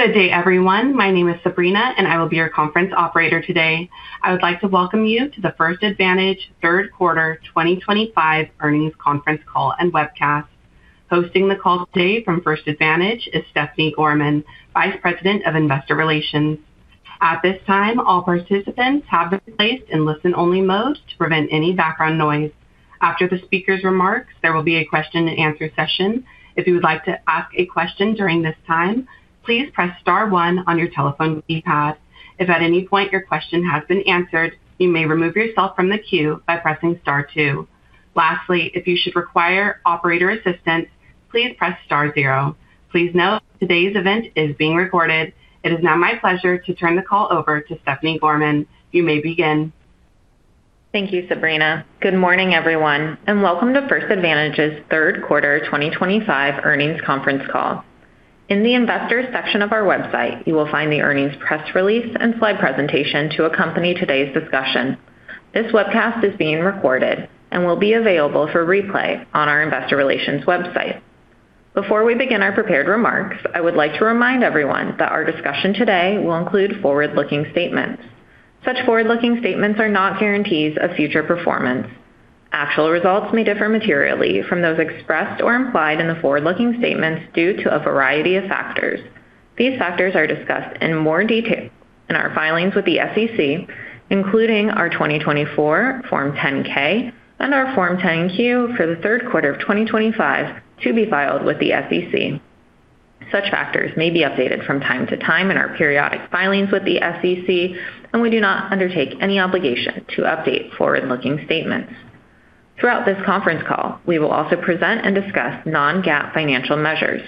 Good day, everyone. My name is Sabrina, and I will be your conference operator today. I would like to welcome you to the First Advantage third quarter 2025 earnings conference call and webcast. Hosting the call today from First Advantage is Stephanie Gorman, Vice President of Investor Relations. At this time, all participants have been placed in listen-only mode to prevent any background noise. After the speaker's remarks, there will be a question-and-answer session. If you would like to ask a question during this time, please press star one on your telephone keypad. If at any point your question has been answered, you may remove yourself from the queue by pressing star two. Lastly, if you should require operator assistance, please press star zero. Please note today's event is being recorded. It is now my pleasure to turn the call over to Stephanie Gorman. You may begin. Thank you, Sabrina. Good morning, everyone, and welcome to First Advantage's third quarter, 2025 earnings conference call. In the investor section of our website, you will find the earnings press release and slide presentation to accompany today's discussion. This webcast is being recorded and will be available for replay on our investor relations website. Before we begin our prepared remarks, I would like to remind everyone that our discussion today will include forward-looking statements. Such forward-looking statements are not guarantees of future performance. Actual results may differ materially from those expressed or implied in the forward-looking statements due to a variety of factors. These factors are discussed in more detail in our filings with the SEC, including our 2024 Form 10-K and our Form 10-Q for the third quarter of 2025 to be filed with the SEC. Such factors may be updated from time to time in our periodic filings with the SEC, and we do not undertake any obligation to update forward-looking statements. Throughout this conference call, we will also present and discuss non-GAAP financial measures.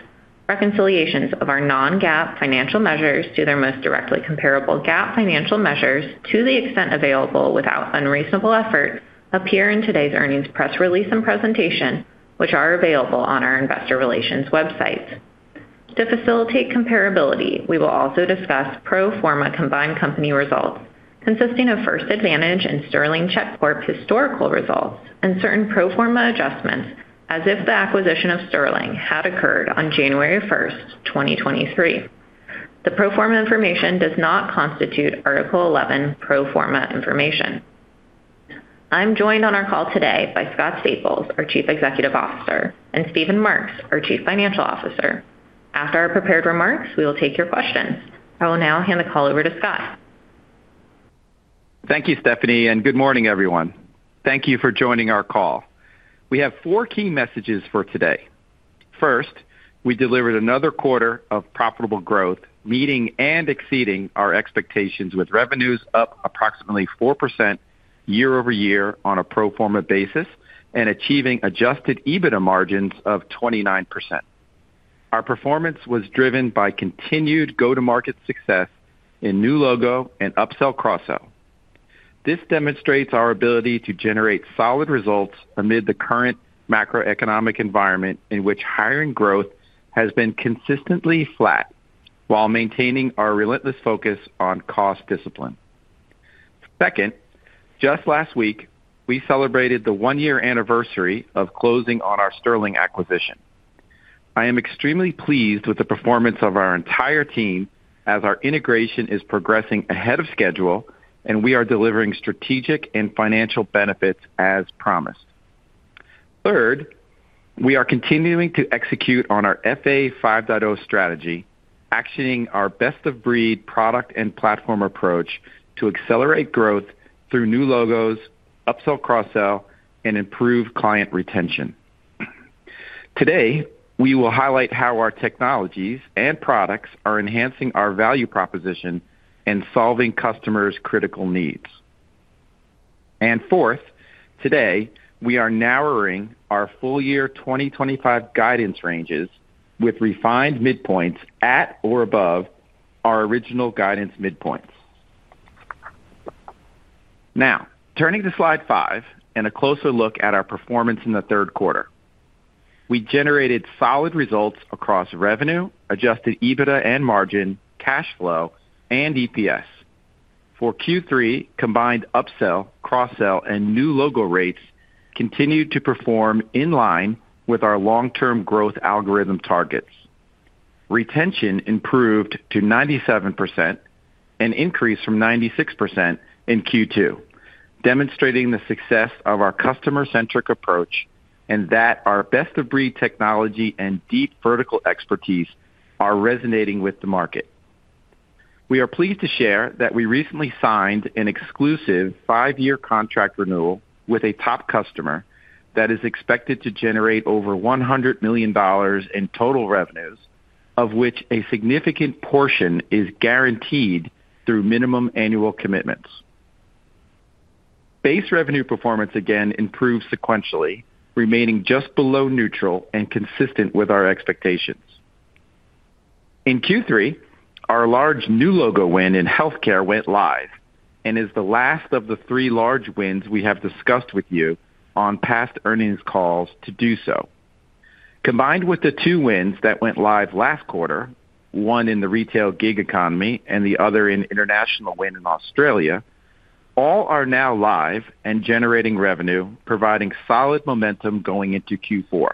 Reconciliations of our non-GAAP financial measures to their most directly comparable GAAP financial measures, to the extent available without unreasonable effort, appear in today's earnings press release and presentation, which are available on our investor relations websites. To facilitate comparability, we will also discuss pro forma combined company results, consisting of First Advantage and Sterling Check historical results, and certain pro forma adjustments as if the acquisition of Sterling had occurred on January 1, 2023. The pro forma information does not constitute Article 11 pro forma information. I'm joined on our call today by Scott Staples, our Chief Executive Officer, and Steven Marks, our Chief Financial Officer. After our prepared remarks, we will take your questions. I will now hand the call over to Scott. Thank you, Stephanie, and good morning, everyone. Thank you for joining our call. We have four key messages for today. First, we delivered another quarter of profitable growth, meeting and exceeding our expectations, with revenues up approximately 4% year-over-year on a pro forma basis and achieving adjusted EBITDA margins of 29%. Our performance was driven by continued go-to-market success in new logo and upsell cross-sell. This demonstrates our ability to generate solid results amid the current macroeconomic environment in which hiring growth has been consistently flat while maintaining our relentless focus on cost discipline. Second, just last week, we celebrated the one-year anniversary of closing on our Sterling acquisition. I am extremely pleased with the performance of our entire team as our integration is progressing ahead of schedule, and we are delivering strategic and financial benefits as promised. Third, we are continuing to execute on our FA 5.0 strategy, actioning our best-of-breed product and platform approach to accelerate growth through new logos, upsell cross-sell, and improve client retention. Today, we will highlight how our technologies and products are enhancing our value proposition and solving customers' critical needs. Fourth, today, we are narrowing our full-year 2025 guidance ranges with refined midpoints at or above our original guidance midpoints. Now, turning to slide five and a closer look at our performance in the third quarter, we generated solid results across revenue, adjusted EBITDA and margin, cash flow, and EPS. For Q3, combined upsell, cross-sell, and new logo rates continued to perform in line with our long-term growth algorithm targets. Retention improved to 97%. An increase from 96% in Q2, demonstrating the success of our customer-centric approach and that our best-of-breed technology and deep vertical expertise are resonating with the market. We are pleased to share that we recently signed an exclusive five-year contract renewal with a top customer that is expected to generate over $100 million in total revenues, of which a significant portion is guaranteed through minimum annual commitments. Base revenue performance again improved sequentially, remaining just below neutral and consistent with our expectations. In Q3, our large new logo win in healthcare went live and is the last of the three large wins we have discussed with you on past earnings calls to do so. Combined with the two wins that went live last quarter, one in the retail gig economy and the other an international win in Australia, all are now live and generating revenue, providing solid momentum going into Q4.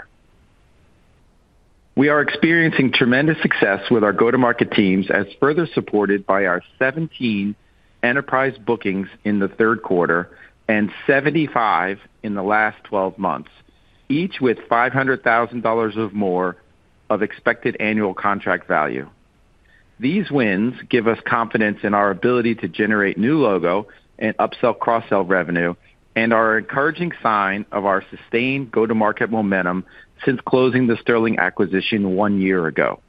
We are experiencing tremendous success with our go-to-market teams as further supported by our 17 enterprise bookings in the third quarter and 75 in the last 12 months, each with $500,000 or more of expected annual contract value. These wins give us confidence in our ability to generate new logo and upsell cross-sell revenue and are an encouraging sign of our sustained go-to-market momentum since closing the Sterling acquisition one year ago.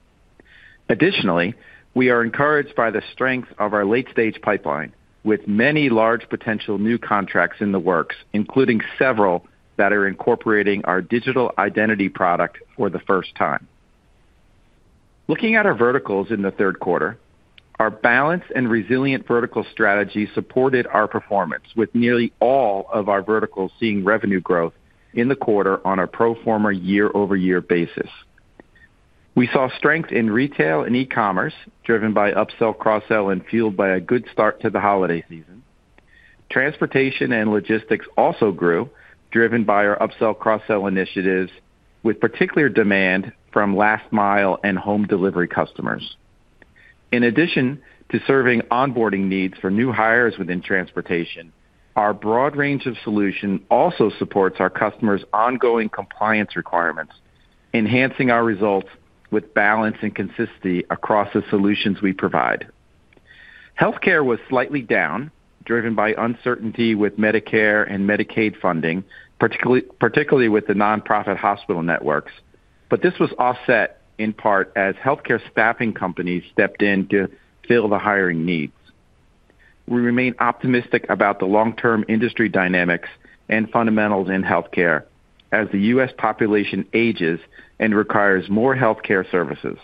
Additionally, we are encouraged by the strength of our late-stage pipeline, with many large potential new contracts in the works, including several that are incorporating our digital identity product for the first time. Looking at our verticals in the third quarter, our balanced and resilient vertical strategy supported our performance, with nearly all of our verticals seeing revenue growth in the quarter on a pro forma year-over-year basis. We saw strength in retail and e-commerce, driven by upsell, cross-sell, and fueled by a good start to the holiday season. Transportation and logistics also grew, driven by our upsell cross-sell initiatives, with particular demand from last-mile and home delivery customers. In addition to serving onboarding needs for new hires within transportation, our broad range of solutions also supports our customers' ongoing compliance requirements, enhancing our results with balance and consistency across the solutions we provide. Healthcare was slightly down, driven by uncertainty with Medicare and Medicaid funding, particularly with the nonprofit hospital networks, but this was offset in part as healthcare staffing companies stepped in to fill the hiring needs. We remain optimistic about the long-term industry dynamics and fundamentals in healthcare as the U.S. population ages and requires more healthcare services.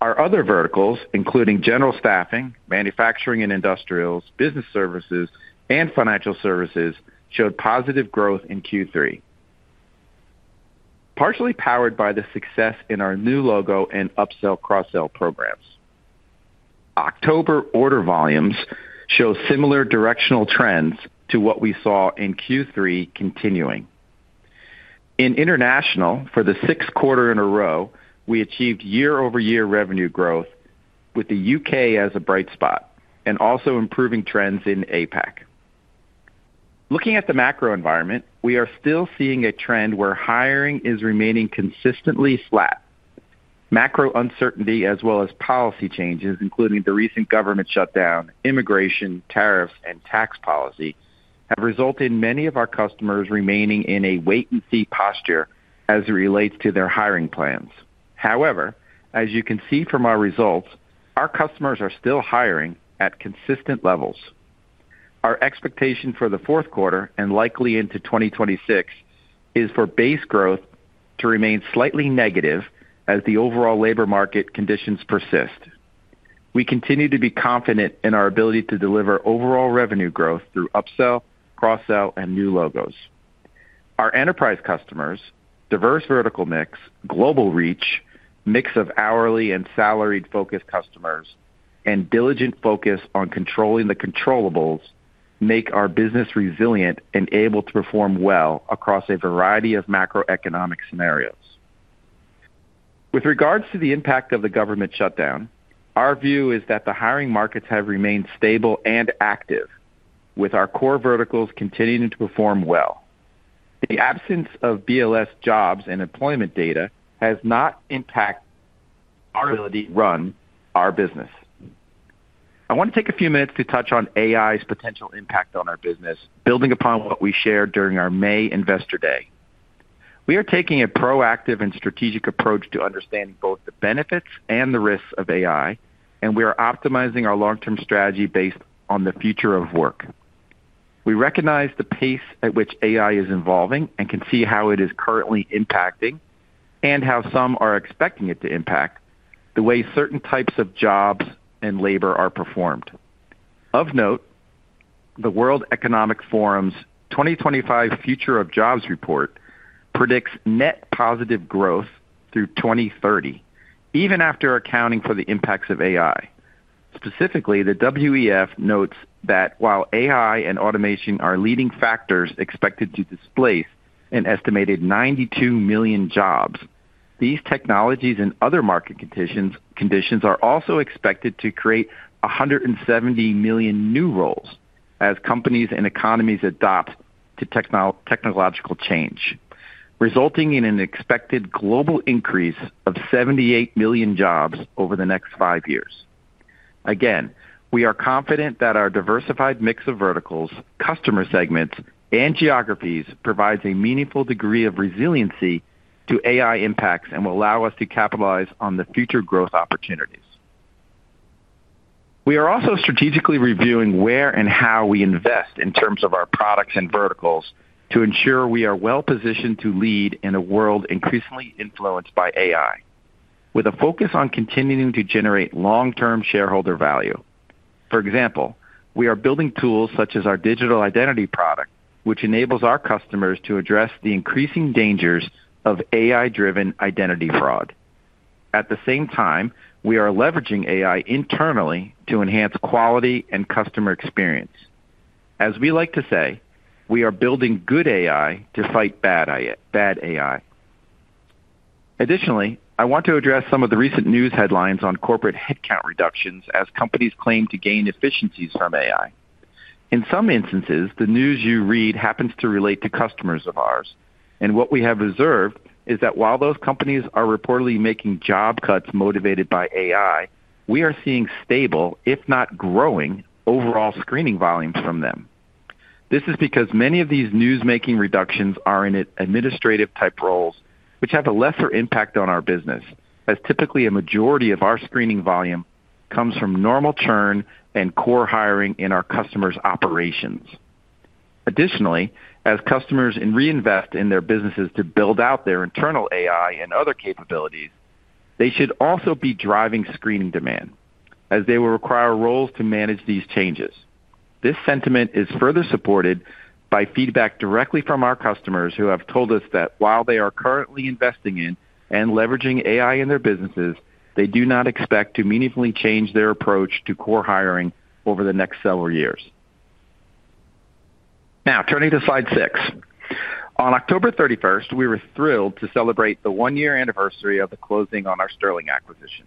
Our other verticals, including general staffing, manufacturing and industrials, business services, and financial services, showed positive growth in Q3, partially powered by the success in our new logo and upsell cross-sell programs. October order volumes show similar directional trends to what we saw in Q3 continuing. In international, for the sixth quarter in a row, we achieved year-over-year revenue growth, with the U.K. as a bright spot and also improving trends in APAC. Looking at the macro environment, we are still seeing a trend where hiring is remaining consistently flat. Macro uncertainty, as well as policy changes, including the recent government shutdown, immigration, tariffs, and tax policy, have resulted in many of our customers remaining in a wait-and-see posture as it relates to their hiring plans. However, as you can see from our results, our customers are still hiring at consistent levels. Our expectation for the fourth quarter and likely into 2026 is for base growth to remain slightly negative as the overall labor market conditions persist. We continue to be confident in our ability to deliver overall revenue growth through upsell, cross-sell, and new logos. Our enterprise customers, diverse vertical mix, global reach, mix of hourly and salaried-focused customers, and diligent focus on controlling the controllables make our business resilient and able to perform well across a variety of macroeconomic scenarios. With regards to the impact of the government shutdown, our view is that the hiring markets have remained stable and active, with our core verticals continuing to perform well. The absence of BLS jobs and employment data has not impacted our ability to run our business. I want to take a few minutes to touch on AI's potential impact on our business, building upon what we shared during our May Investor Day. We are taking a proactive and strategic approach to understanding both the benefits and the risks of AI, and we are optimizing our long-term strategy based on the future of work. We recognize the pace at which AI is evolving and can see how it is currently impacting and how some are expecting it to impact the way certain types of jobs and labor are performed. Of note, the World Economic Forum's 2025 Future of Jobs report predicts net positive growth through 2030, even after accounting for the impacts of AI. Specifically, the WEF notes that while AI and automation are leading factors expected to displace an estimated 92 million jobs, these technologies and other market conditions are also expected to create 170 million new roles as companies and economies adapt to technological change, resulting in an expected global increase of 78 million jobs over the next five years. Again, we are confident that our diversified mix of verticals, customer segments, and geographies provides a meaningful degree of resiliency to AI impacts and will allow us to capitalize on the future growth opportunities. We are also strategically reviewing where and how we invest in terms of our products and verticals to ensure we are well-positioned to lead in a world increasingly influenced by AI, with a focus on continuing to generate long-term shareholder value. For example, we are building tools such as our digital identity product, which enables our customers to address the increasing dangers of AI-driven identity fraud. At the same time, we are leveraging AI internally to enhance quality and customer experience. As we like to say, we are building good AI to fight bad AI. Additionally, I want to address some of the recent news headlines on corporate headcount reductions as companies claim to gain efficiencies from AI. In some instances, the news you read happens to relate to customers of ours. What we have observed is that while those companies are reportedly making job cuts motivated by AI, we are seeing stable, if not growing, overall screening volumes from them. This is because many of these news-making reductions are in administrative-type roles, which have a lesser impact on our business, as typically a majority of our screening volume comes from normal churn and core hiring in our customers' operations. Additionally, as customers reinvest in their businesses to build out their internal AI and other capabilities, they should also be driving screening demand, as they will require roles to manage these changes. This sentiment is further supported by feedback directly from our customers who have told us that while they are currently investing in and leveraging AI in their businesses, they do not expect to meaningfully change their approach to core hiring over the next several years. Now, turning to slide six. On October 31, we were thrilled to celebrate the one-year anniversary of the closing on our Sterling acquisition.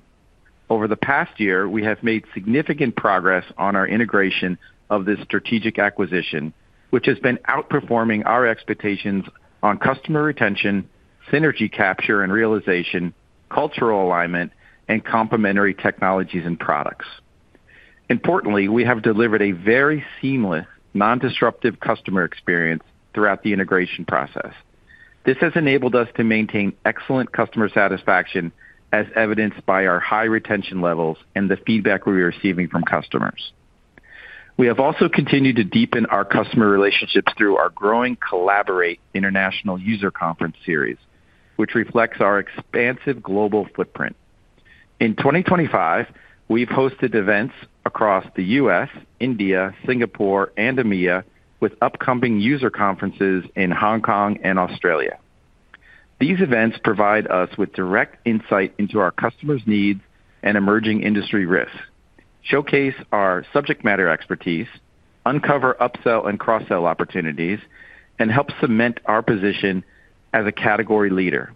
Over the past year, we have made significant progress on our integration of this strategic acquisition, which has been outperforming our expectations on customer retention, synergy capture and realization, cultural alignment, and complementary technologies and products. Importantly, we have delivered a very seamless, non-disruptive customer experience throughout the integration process. This has enabled us to maintain excellent customer satisfaction, as evidenced by our high retention levels and the feedback we are receiving from customers. We have also continued to deepen our customer relationships through our growing Collaborate International User Conference series, which reflects our expansive global footprint. In 2025, we have hosted events across the U.S., India, Singapore, and EMEA, with upcoming user conferences in Hong Kong and Australia. These events provide us with direct insight into our customers' needs and emerging industry risks, showcase our subject matter expertise, uncover upsell and cross-sell opportunities, and help cement our position as a category leader.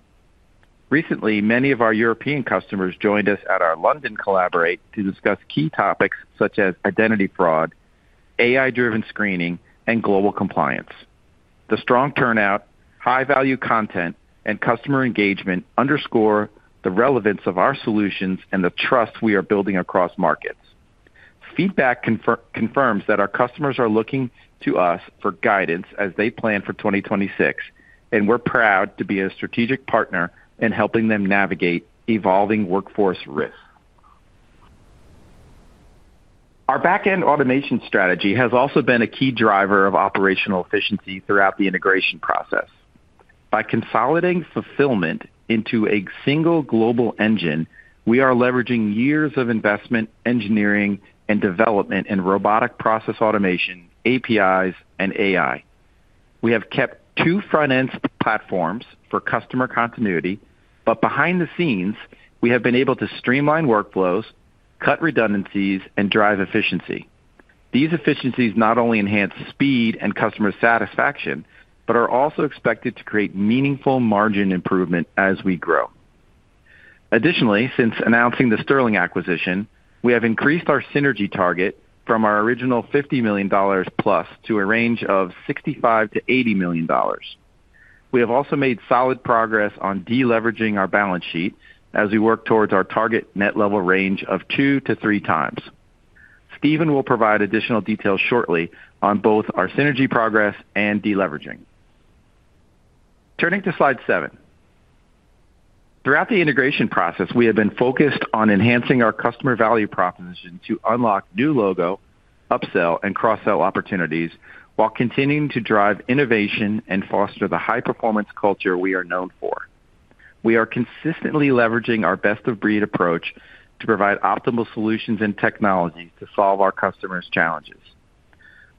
Recently, many of our European customers joined us at our London Collaborate to discuss key topics such as identity fraud, AI-driven screening, and global compliance. The strong turnout, high-value content, and customer engagement underscore the relevance of our solutions and the trust we are building across markets. Feedback confirms that our customers are looking to us for guidance as they plan for 2026, and we're proud to be a strategic partner in helping them navigate evolving workforce risks. Our backend automation strategy has also been a key driver of operational efficiency throughout the integration process. By consolidating fulfillment into a single global engine, we are leveraging years of investment, engineering, and development in robotic process automation, APIs, and AI. We have kept two front-end platforms for customer continuity, but behind the scenes, we have been able to streamline workflows, cut redundancies, and drive efficiency. These efficiencies not only enhance speed and customer satisfaction, but are also expected to create meaningful margin improvement as we grow. Additionally, since announcing the Sterling acquisition, we have increased our synergy target from our original $50 million plus to a range of $65 million-$80 million. We have also made solid progress on deleveraging our balance sheet as we work towards our target net level range of two to three times. Stephen will provide additional details shortly on both our synergy progress and deleveraging. Turning to slide seven. Throughout the integration process, we have been focused on enhancing our customer value proposition to unlock new logo, upsell, and cross-sell opportunities while continuing to drive innovation and foster the high-performance culture we are known for. We are consistently leveraging our best-of-breed approach to provide optimal solutions and technologies to solve our customers' challenges.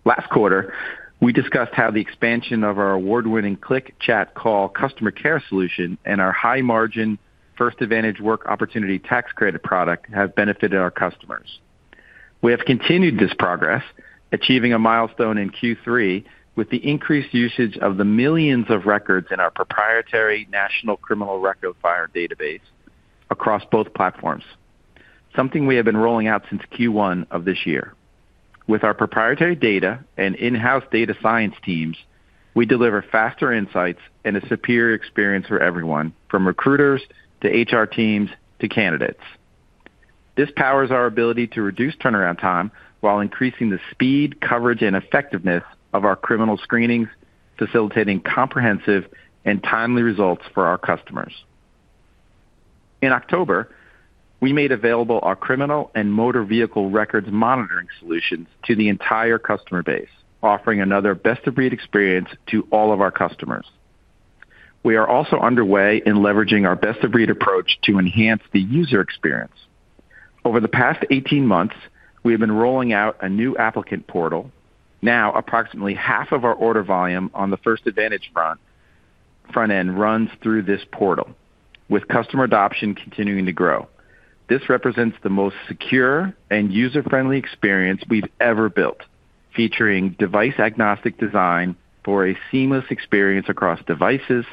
Last quarter, we discussed how the expansion of our award-winning Click Chat Call customer care solution and our high-margin First Advantage Work Opportunity Tax Credit product have benefited our customers. We have continued this progress, achieving a milestone in Q3 with the increased usage of the millions of records in our proprietary National Criminal Record File database across both platforms, something we have been rolling out since Q1 of this year. With our proprietary data and in-house data science teams, we deliver faster insights and a superior experience for everyone, from recruiters to HR teams to candidates. This powers our ability to reduce turnaround time while increasing the speed, coverage, and effectiveness of our criminal screenings, facilitating comprehensive and timely results for our customers. In October, we made available our Criminal and Motor Vehicle Records Monitoring solutions to the entire customer base, offering another best-of-breed experience to all of our customers. We are also underway in leveraging our best-of-breed approach to enhance the user experience. Over the past 18 months, we have been rolling out a new Applicant Portal. Now, approximately half of our order volume on the First Advantage front end runs through this portal, with customer adoption continuing to grow. This represents the most secure and user-friendly experience we've ever built, featuring device-agnostic design for a seamless experience across devices,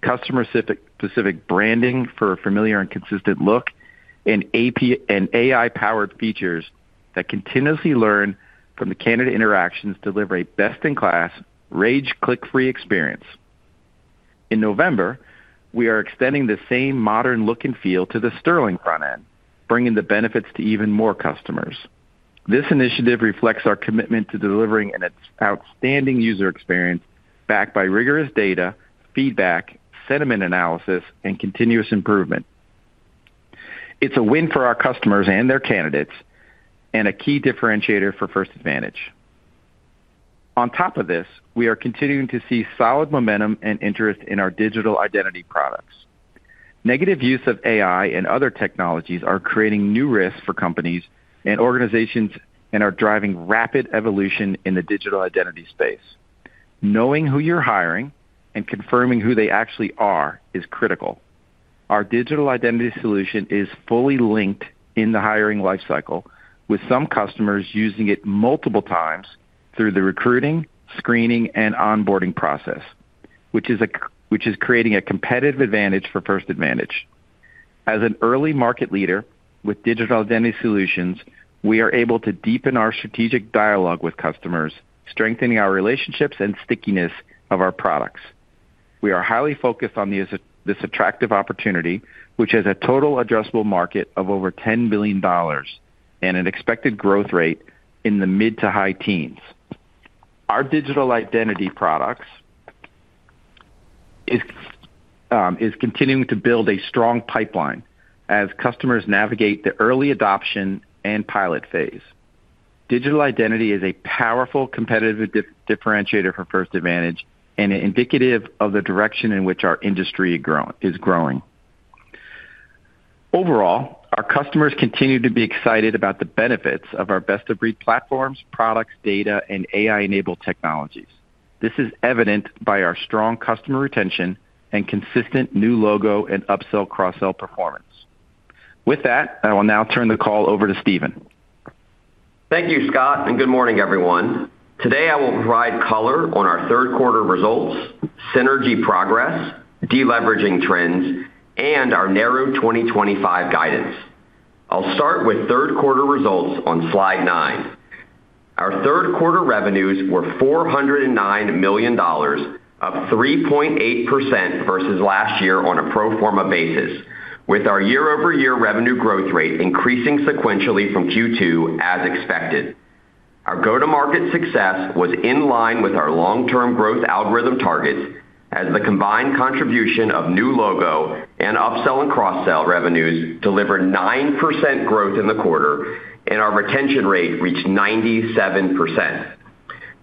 customer-specific branding for a familiar and consistent look, and AI-powered features that continuously learn from the candidate interactions to deliver a best-in-class, rage-click-free experience. In November, we are extending the same modern look and feel to the Sterling front end, bringing the benefits to even more customers. This initiative reflects our commitment to delivering an outstanding user experience backed by rigorous data, feedback, sentiment analysis, and continuous improvement. It's a win for our customers and their candidates and a key differentiator for First Advantage. On top of this, we are continuing to see solid momentum and interest in our digital identity products. Negative use of AI and other technologies are creating new risks for companies and organizations and are driving rapid evolution in the digital identity space. Knowing who you're hiring and confirming who they actually are is critical. Our digital identity solution is fully linked in the hiring lifecycle, with some customers using it multiple times through the recruiting, screening, and onboarding process, which is creating a competitive advantage for First Advantage. As an early market leader with digital identity solutions, we are able to deepen our strategic dialogue with customers, strengthening our relationships and stickiness of our products. We are highly focused on this attractive opportunity, which has a total addressable market of over $10 billion and an expected growth rate in the mid to high teens. Our digital identity products is continuing to build a strong pipeline as customers navigate the early adoption and pilot phase. Digital identity is a powerful competitive differentiator for First Advantage and indicative of the direction in which our industry is growing. Overall, our customers continue to be excited about the benefits of our best-of-breed platforms, products, data, and AI-enabled technologies. This is evident by our strong customer retention and consistent new logo and upsell/cross-sell performance. With that, I will now turn the call over to Stephen. Thank you, Scott, and good morning, everyone. Today, I will provide color on our third-quarter results, synergy progress, deleveraging trends, and our narrow 2025 guidance. I'll start with third-quarter results on slide nine. Our third-quarter revenues were $409 million, up 3.8% versus last year on a pro forma basis, with our year-over-year revenue growth rate increasing sequentially from Q2, as expected. Our go-to-market success was in line with our long-term growth algorithm targets, as the combined contribution of new logo and upsell and cross-sell revenues delivered 9% growth in the quarter, and our retention rate reached 97%.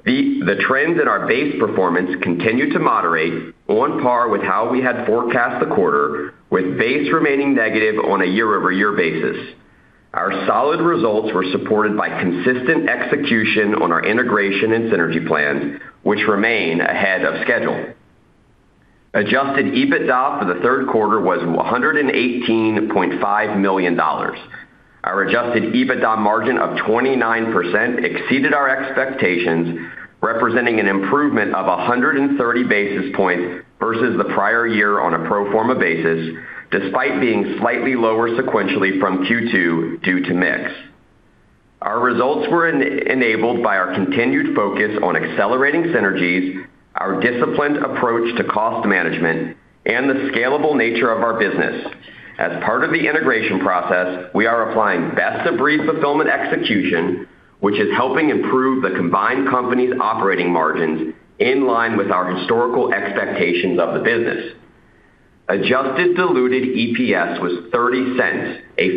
The trends in our base performance continue to moderate on par with how we had forecast the quarter, with base remaining negative on a year-over-year basis. Our solid results were supported by consistent execution on our integration and synergy plans, which remain ahead of schedule. Adjusted EBITDA for the third quarter was $118.5 million. Our adjusted EBITDA margin of 29% exceeded our expectations, representing an improvement of 130 basis points versus the prior year on a pro forma basis, despite being slightly lower sequentially from Q2 due to mix. Our results were enabled by our continued focus on accelerating synergies, our disciplined approach to cost management, and the scalable nature of our business. As part of the integration process, we are applying best-of-breed fulfillment execution, which is helping improve the combined company's operating margins in line with our historical expectations of the business. Adjusted diluted EPS was $0.30, a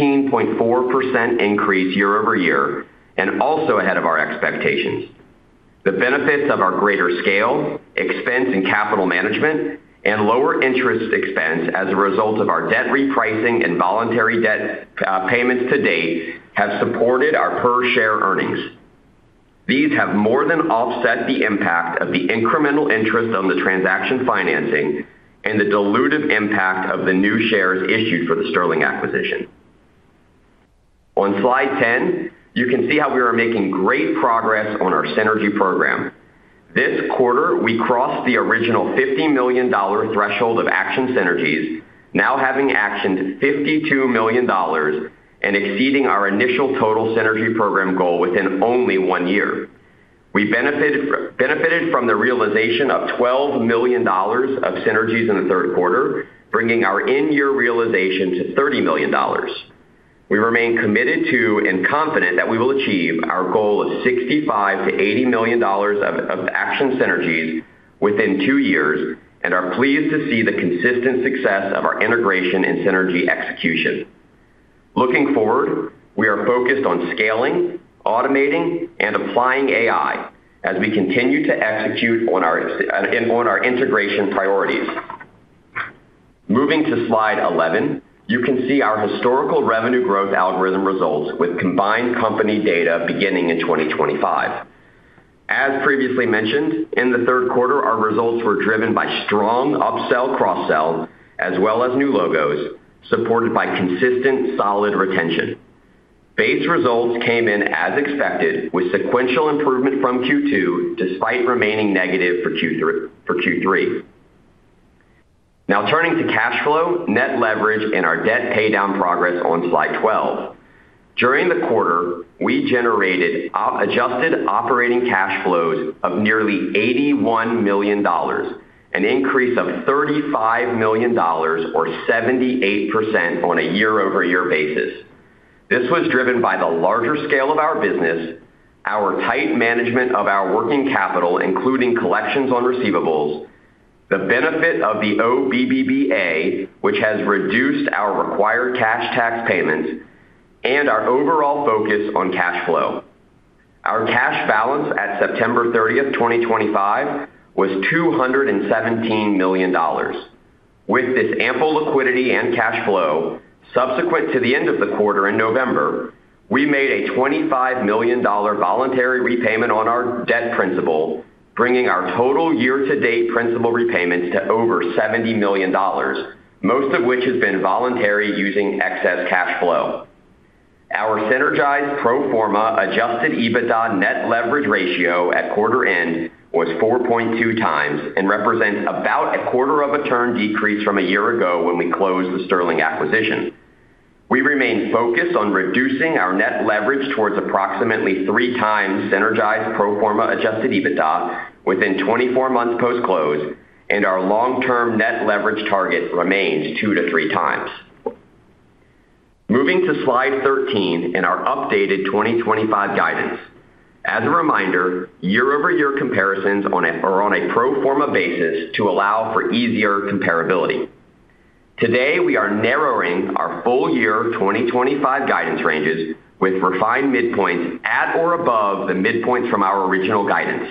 15.4% increase year-over-year, and also ahead of our expectations. The benefits of our greater scale, expense, and capital management, and lower interest expense as a result of our debt repricing and voluntary debt payments to date have supported our per-share earnings. These have more than offset the impact of the incremental interest on the transaction financing and the dilutive impact of the new shares issued for the Sterling acquisition. On slide 10, you can see how we are making great progress on our synergy program. This quarter, we crossed the original $50 million threshold of action synergies, now having actioned $52 million. And exceeding our initial total synergy program goal within only one year. We benefited from the realization of $12 million of synergies in the third quarter, bringing our in-year realization to $30 million. We remain committed to and confident that we will achieve our goal of $65 million-$80 million of action synergies within two years and are pleased to see the consistent success of our integration and synergy execution. Looking forward, we are focused on scaling, automating, and applying AI as we continue to execute on our. Integration priorities. Moving to slide 11, you can see our historical revenue growth algorithm results with combined company data beginning in 2025. As previously mentioned, in the third quarter, our results were driven by strong upsell/cross-sell, as well as new logos, supported by consistent solid retention. Base results came in as expected, with sequential improvement from Q2 despite remaining negative for Q3. Now, turning to cash flow, net leverage, and our debt paydown progress on slide 12. During the quarter, we generated adjusted operating cash flows of nearly $81 million, an increase of $35 million, or 78% on a year-over-year basis. This was driven by the larger scale of our business. Our tight management of our working capital, including collections on receivables, the benefit of the OBBBA, which has reduced our required cash tax payments, and our overall focus on cash flow. Our cash balance at September 30, 2025, was $217 million. With this ample liquidity and cash flow, subsequent to the end of the quarter in November, we made a $25 million voluntary repayment on our debt principal, bringing our total year-to-date principal repayments to over $70 million, most of which has been voluntary using excess cash flow. Our Synergized Pro Forma Adjusted EBITDA Net Leverage Ratio at quarter end was 4.2x and represents about a quarter of a turn decrease from a year ago when we closed the Sterling acquisition. We remain focused on reducing our net leverage towards approximately three times synergized pro forma adjusted EBITDA within 24 months post-close, and our long-term net leverage target remains 2x-3x. Moving to slide 13 in our updated 2025 guidance. As a reminder, year-over-year comparisons are on a pro forma basis to allow for easier comparability. Today, we are narrowing our full-year 2025 guidance ranges with refined midpoints at or above the midpoints from our original guidance.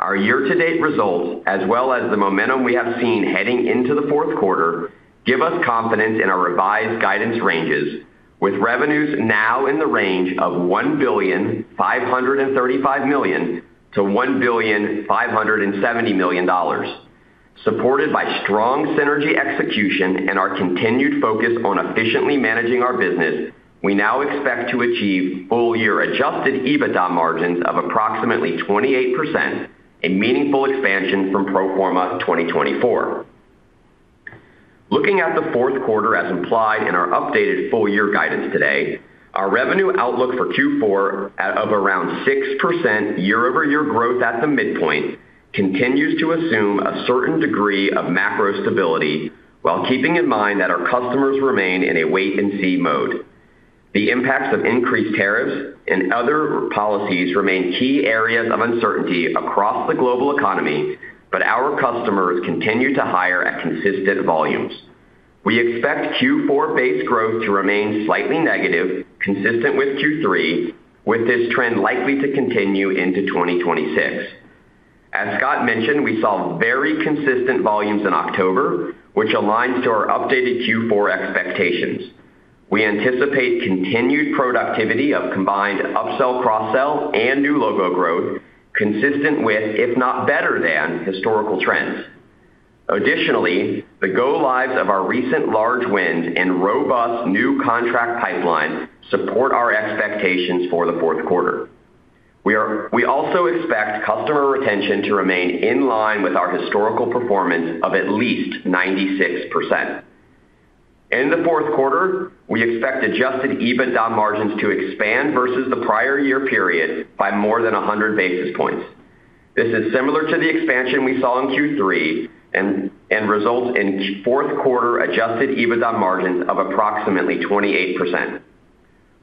Our year-to-date results, as well as the momentum we have seen heading into the fourth quarter, give us confidence in our revised guidance ranges, with revenues now in the range of $1,535 million-$1,570 million. Supported by strong synergy execution and our continued focus on efficiently managing our business, we now expect to achieve full-year adjusted EBITDA margins of approximately 28%, a meaningful expansion from pro forma 2024. Looking at the fourth quarter as implied in our updated full-year guidance today, our revenue outlook for Q4 of around 6% year-over-year growth at the midpoint continues to assume a certain degree of macro stability while keeping in mind that our customers remain in a wait-and-see mode. The impacts of increased tariffs and other policies remain key areas of uncertainty across the global economy, but our customers continue to hire at consistent volumes. We expect Q4 base growth to remain slightly negative, consistent with Q3, with this trend likely to continue into 2026. As Scott mentioned, we saw very consistent volumes in October, which aligns to our updated Q4 expectations. We anticipate continued productivity of combined upsell/cross-sell and new logo growth, consistent with, if not better than, historical trends. Additionally, the go-lives of our recent large wins and robust new contract pipeline support our expectations for the fourth quarter. We also expect customer retention to remain in line with our historical performance of at least 96%. In the fourth quarter, we expect adjusted EBITDA margins to expand versus the prior year period by more than 100 basis points. This is similar to the expansion we saw in Q3 and results in fourth-quarter adjusted EBITDA margins of approximately 28%.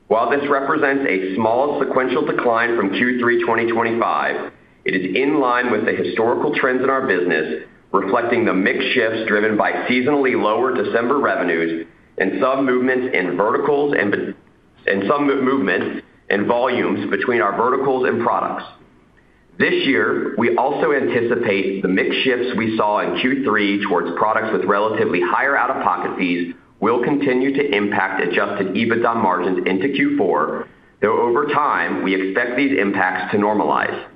While this represents a small sequential decline from Q3 2025, it is in line with the historical trends in our business, reflecting the mixed shifts driven by seasonally lower December revenues and some movements in volumes between our verticals and products. This year, we also anticipate the mixed shifts we saw in Q3 towards products with relatively higher out-of-pocket fees will continue to impact adjusted EBITDA margins into Q4, though over time, we expect these impacts to normalize.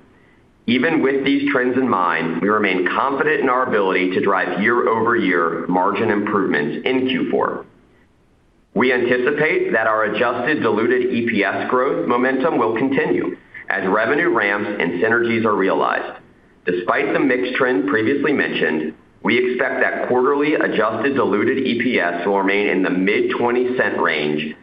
Even with these trends in mind, we remain confident in our ability to drive year-over-year margin improvements in Q4. We anticipate that our adjusted diluted EPS growth momentum will continue as revenue ramps and synergies are realized. Despite the mixed trend previously mentioned, we expect that quarterly adjusted diluted EPS will remain in the mid-20 cent range.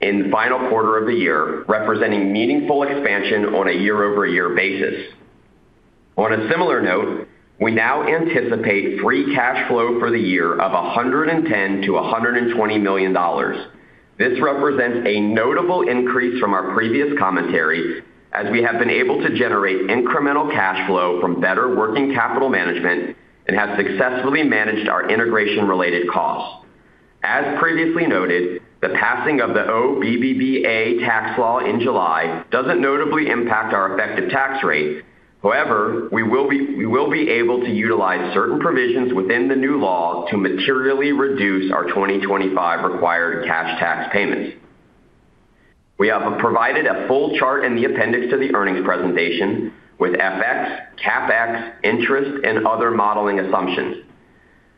In the final quarter of the year, representing meaningful expansion on a year-over-year basis. On a similar note, we now anticipate free cash flow for the year of $110 million-$120 million. This represents a notable increase from our previous commentary as we have been able to generate incremental cash flow from better working capital management and have successfully managed our integration-related costs. As previously noted, the passing of the OBBBA tax law in July does not notably impact our effective tax rate. However, we will be able to utilize certain provisions within the new law to materially reduce our 2025 required cash tax payments. We have provided a full chart in the appendix to the earnings presentation with FX, CapEx, interest, and other modeling assumptions.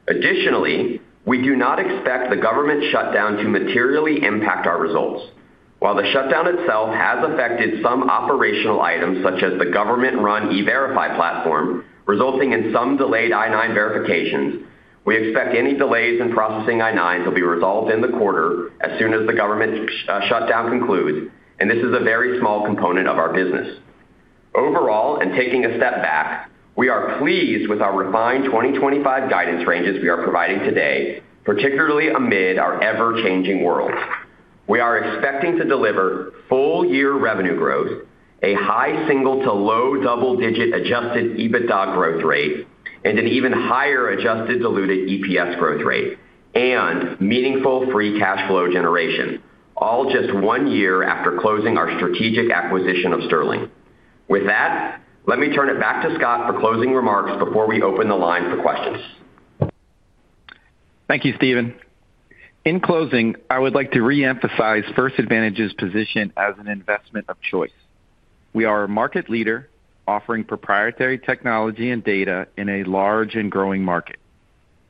Additionally, we do not expect the government shutdown to materially impact our results. While the shutdown itself has affected some operational items, such as the government-run E-Verify platform, resulting in some delayed I-9 verifications, we expect any delays in processing I-9s will be resolved in the quarter as soon as the government shutdown concludes, and this is a very small component of our business. Overall, taking a step back, we are pleased with our refined 2025 guidance ranges we are providing today, particularly amid our ever-changing world. We are expecting to deliver full-year revenue growth, a high single- to low double-digit adjusted EBITDA growth rate, and an even higher adjusted diluted EPS growth rate, and meaningful free cash flow generation, all just one year after closing our strategic acquisition of Sterling. With that, let me turn it back to Scott for closing remarks before we open the line for questions. Thank you, Stephen. In closing, I would like to re-emphasize First Advantage's position as an investment of choice. We are a market leader offering proprietary technology and data in a large and growing market.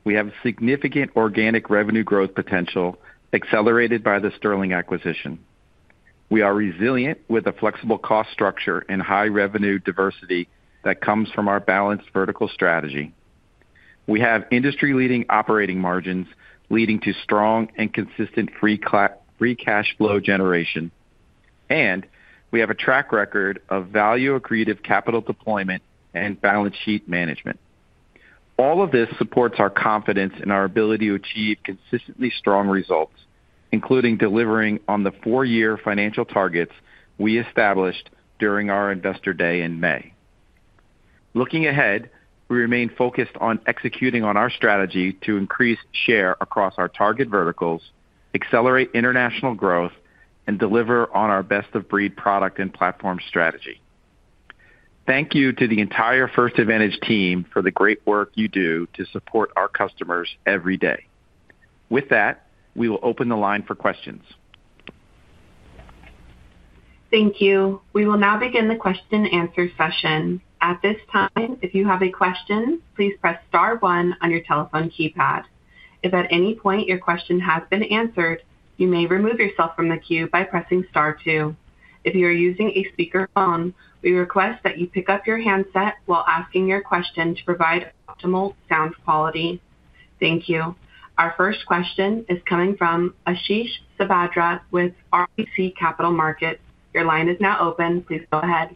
We have significant organic revenue growth potential accelerated by the Sterling acquisition. We are resilient with a flexible cost structure and high revenue diversity that comes from our balanced vertical strategy. We have industry-leading operating margins leading to strong and consistent free cash flow generation, and we have a track record of value-accretive capital deployment and balance sheet management. All of this supports our confidence in our ability to achieve consistently strong results, including delivering on the four-year financial targets we established during our investor day in May. Looking ahead, we remain focused on executing on our strategy to increase share across our target verticals, accelerate international growth, and deliver on our best-of-breed product and platform strategy. Thank you to the entire First Advantage team for the great work you do to support our customers every day. With that, we will open the line for questions. Thank you. We will now begin the question-and-answer session. At this time, if you have a question, please press Star 1 on your telephone keypad. If at any point your question has been answered, you may remove yourself from the queue by pressing Star 2. If you are using a speakerphone, we request that you pick up your handset while asking your question to provide optimal sound quality. Thank you. Our first question is coming from Ashish Sabadra with RBC Capital Markets. Your line is now open. Please go ahead.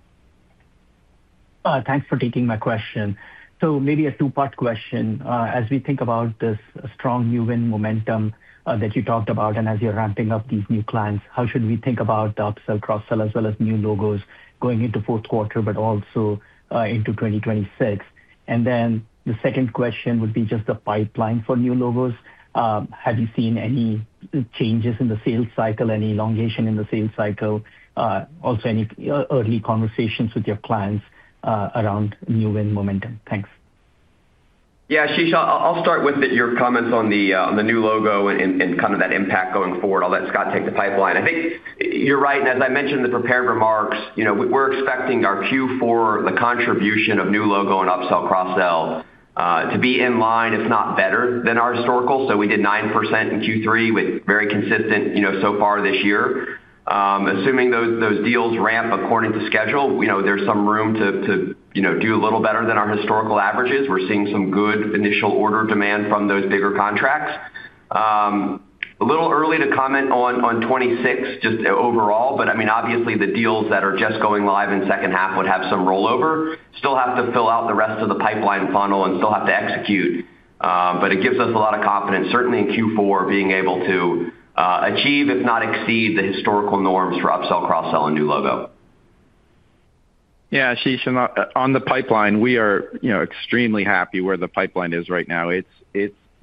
Thanks for taking my question. Maybe a two-part question. As we think about this strong new win momentum that you talked about and as you're ramping up these new clients, how should we think about the upsell/cross-sell as well as new logos going into fourth quarter, but also into 2026? The second question would be just the pipeline for new logos. Have you seen any changes in the sales cycle, any elongation in the sales cycle, also any early conversations with your clients around new win momentum? Thanks. Yeah, Ashish, I'll start with your comments on the new logo and kind of that impact going forward, I'll let Scott take the pipeline. I think you're right. As I mentioned in the prepared remarks, we're expecting our Q4, the contribution of new logo and upsell/cross-sell to be in line, if not better than our historical. We did 9% in Q3 with very consistent so far this year. Assuming those deals ramp according to schedule, there's some room to do a little better than our historical averages. We're seeing some good initial order demand from those bigger contracts. A little early to comment on 2026, just overall, but I mean, obviously, the deals that are just going live in the second half would have some rollover, still have to fill out the rest of the pipeline funnel, and still have to execute. It gives us a lot of confidence, certainly in Q4, being able to achieve, if not exceed, the historical norms for upsell/cross-sell and new logo. Yeah, Ashish, on the pipeline, we are extremely happy where the pipeline is right now. It's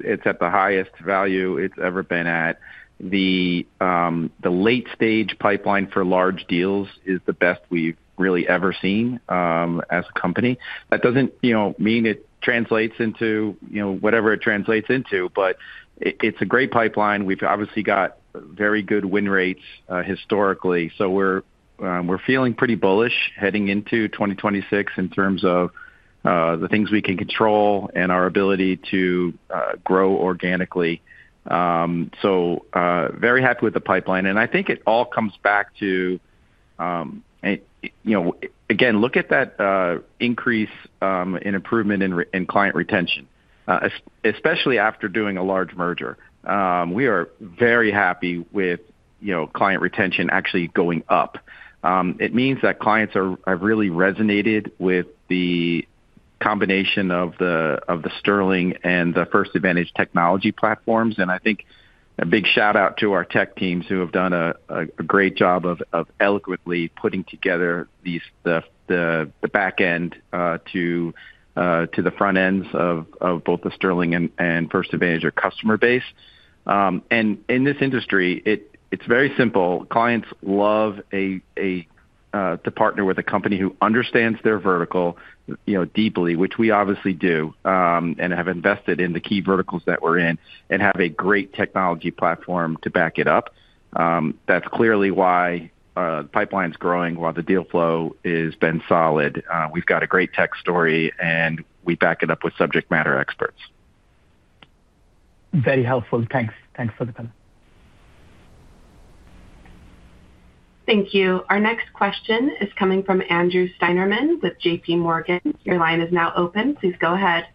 at the highest value it's ever been at. Late-stage pipeline for large deals is the best we've really ever seen as a company. That doesn't mean it translates into whatever it translates into, but it's a great pipeline. We've obviously got very good win rates historically. We're feeling pretty bullish heading into 2026 in terms of the things we can control and our ability to grow organically. Very happy with the pipeline. I think it all comes back to, again, look at that increase in improvement in client retention. Especially after doing a large merger. We are very happy with client retention actually going up. It means that clients have really resonated with the combination of the Sterling and the First Advantage technology platforms. I think a big shout-out to our tech teams who have done a great job of eloquently putting together the back end to. The front ends of both the Sterling and First Advantage customer base. In this industry, it's very simple. Clients love to partner with a company who understands their vertical deeply, which we obviously do, and have invested in the key verticals that we're in and have a great technology platform to back it up. That's clearly why the pipeline's growing, why the deal flow has been solid. We've got a great tech story, and we back it up with subject matter experts. Very helpful. Thanks. Thanks for the comment. Thank you. Our next question is coming from Andrew Steinerman with JPMorgan. Your line is now open. Please go ahead.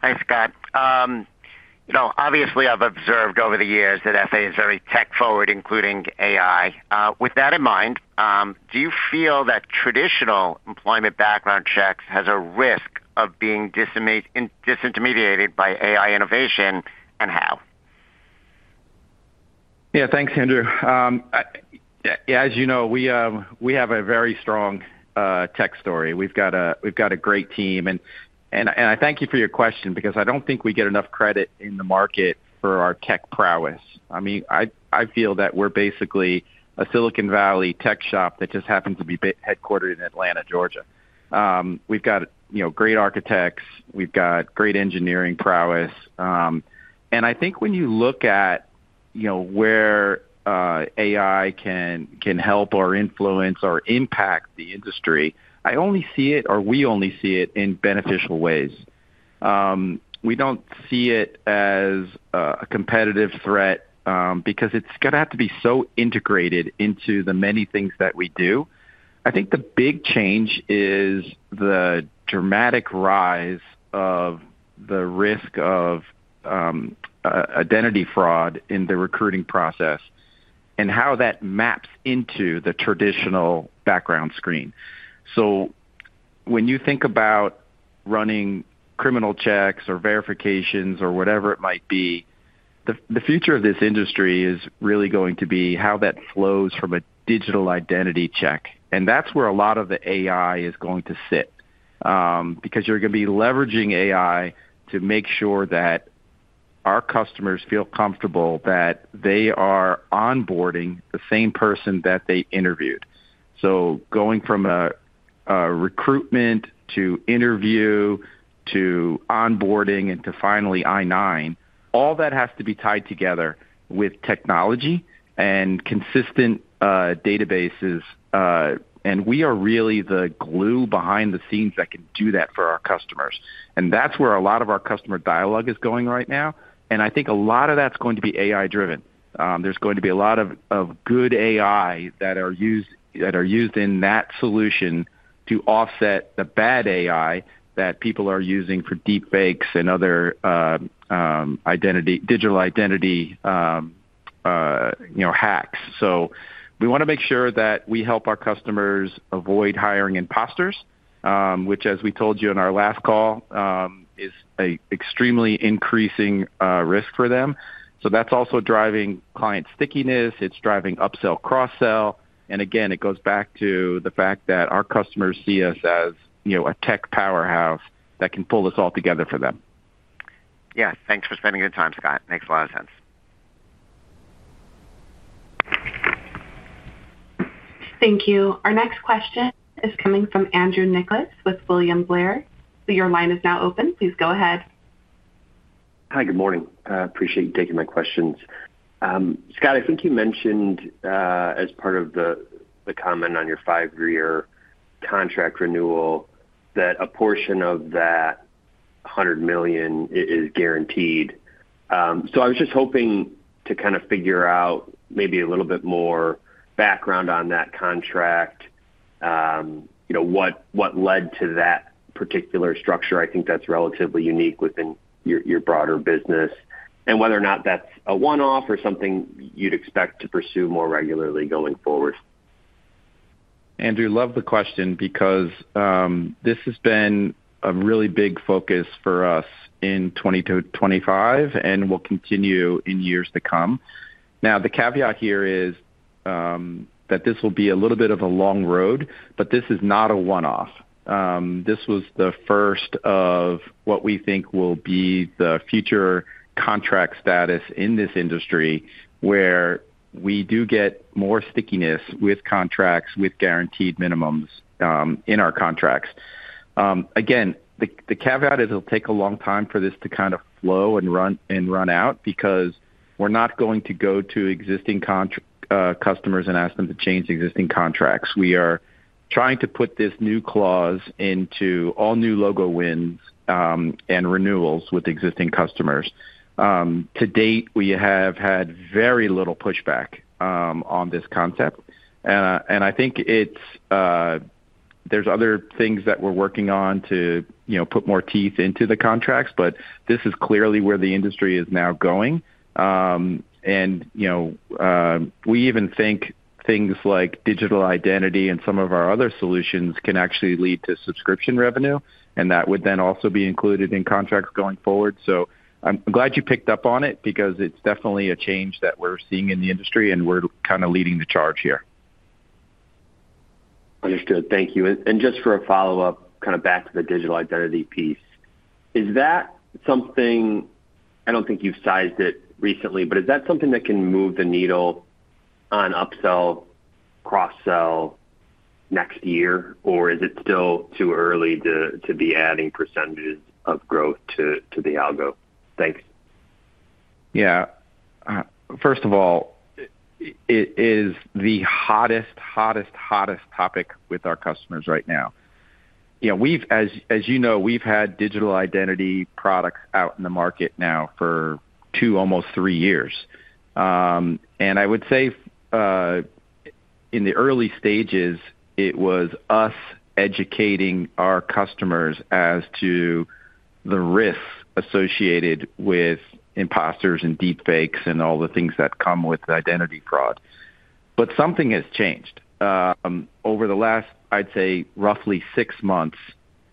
Thanks, Scott. Obviously, I've observed over the years that FA is very tech-forward, including AI. With that in mind, do you feel that traditional employment background checks have a risk of being disintermediated by AI innovation, and how? Yeah, thanks, Andrew. As you know, we have a very strong tech story. We've got a great team. I thank you for your question because I don't think we get enough credit in the market for our tech prowess. I mean, I feel that we're basically a Silicon Valley tech shop that just happens to be headquartered in Atlanta, Georgia. We've got great architects. We've got great engineering prowess. I think when you look at where AI can help or influence or impact the industry, I only see it, or we only see it, in beneficial ways. We don't see it as a competitive threat because it's going to have to be so integrated into the many things that we do. I think the big change is the dramatic rise of the risk of identity fraud in the recruiting process. How that maps into the traditional background screen. When you think about running criminal checks or verifications or whatever it might be, the future of this industry is really going to be how that flows from a digital identity check. That is where a lot of the AI is going to sit. You are going to be leveraging AI to make sure that our customers feel comfortable that they are onboarding the same person that they interviewed. Going from recruitment to interview to onboarding and to finally I-9, all that has to be tied together with technology and consistent databases. We are really the glue behind the scenes that can do that for our customers. That is where a lot of our customer dialogue is going right now. I think a lot of that is going to be AI-driven. There's going to be a lot of good AI that are used in that solution to offset the bad AI that people are using for Deepfakes and other digital identity hacks. We want to make sure that we help our customers avoid hiring imposters, which, as we told you in our last call, is an extremely increasing risk for them. That's also driving client stickiness. It's driving upsell/cross-sell. It goes back to the fact that our customers see us as a tech powerhouse that can pull us all together for them. Yeah. Thanks for spending your time, Scott. Makes a lot of sense. Thank you. Our next question is coming from Andrew Nicholas with William Blair. Your line is now open. Please go ahead. Hi. Good morning. Appreciate you taking my questions. Scott, I think you mentioned as part of the comment on your five-year contract renewal that a portion of that $100 million is guaranteed. I was just hoping to kind of figure out maybe a little bit more background on that contract. What led to that particular structure. I think that's relatively unique within your broader business, and whether or not that's a one-off or something you'd expect to pursue more regularly going forward. Andrew, love the question because this has been a really big focus for us in 2025 and will continue in years to come. Now, the caveat here is that this will be a little bit of a long road, but this is not a one-off. This was the first of what we think will be the future. Contract status in this industry where we do get more stickiness with contracts with guaranteed minimums in our contracts. Again, the caveat is it'll take a long time for this to kind of flow and run out because we're not going to go to existing customers and ask them to change existing contracts. We are trying to put this new clause into all new logo wins and renewals with existing customers. To date, we have had very little pushback on this concept. I think there's other things that we're working on to put more teeth into the contracts, but this is clearly where the industry is now going. We even think things like digital identity and some of our other solutions can actually lead to subscription revenue, and that would then also be included in contracts going forward. I'm glad you picked up on it because it's definitely a change that we're seeing in the industry, and we're kind of leading the charge here. Understood. Thank you. Just for a follow-up, kind of back to the digital identity piece, is that something, I don't think you've sized it recently, but is that something that can move the needle on upsell, cross-sell next year, or is it still too early to be adding percentage of growth to the algo? Thanks. Yeah. First of all, it is the hottest, hottest, hottest topic with our customers right now. As you know, we've had digital identity products out in the market now for two, almost three years. I would say in the early stages, it was us educating our customers as to the risks associated with imposters and Deepfakes and all the things that come with identity fraud. Something has changed. Over the last, I'd say, roughly six months,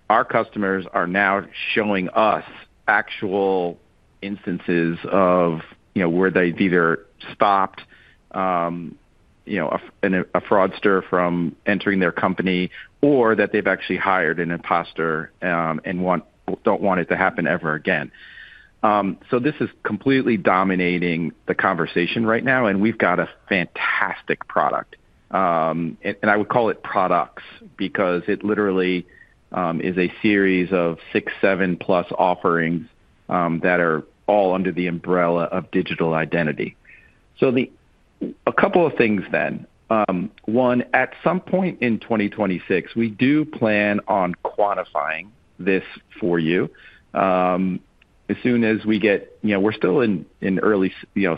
our customers are now showing us actual instances of where they've either stopped a fraudster from entering their company, or that they've actually hired an imposter and do not want it to happen ever again. This is completely dominating the conversation right now, and we've got a fantastic product. I would call it products because it literally is a series of six, seven-plus offerings that are all under the umbrella of digital identity. A couple of things then. One, at some point in 2026, we do plan on quantifying this for you. As soon as we get, we're still in early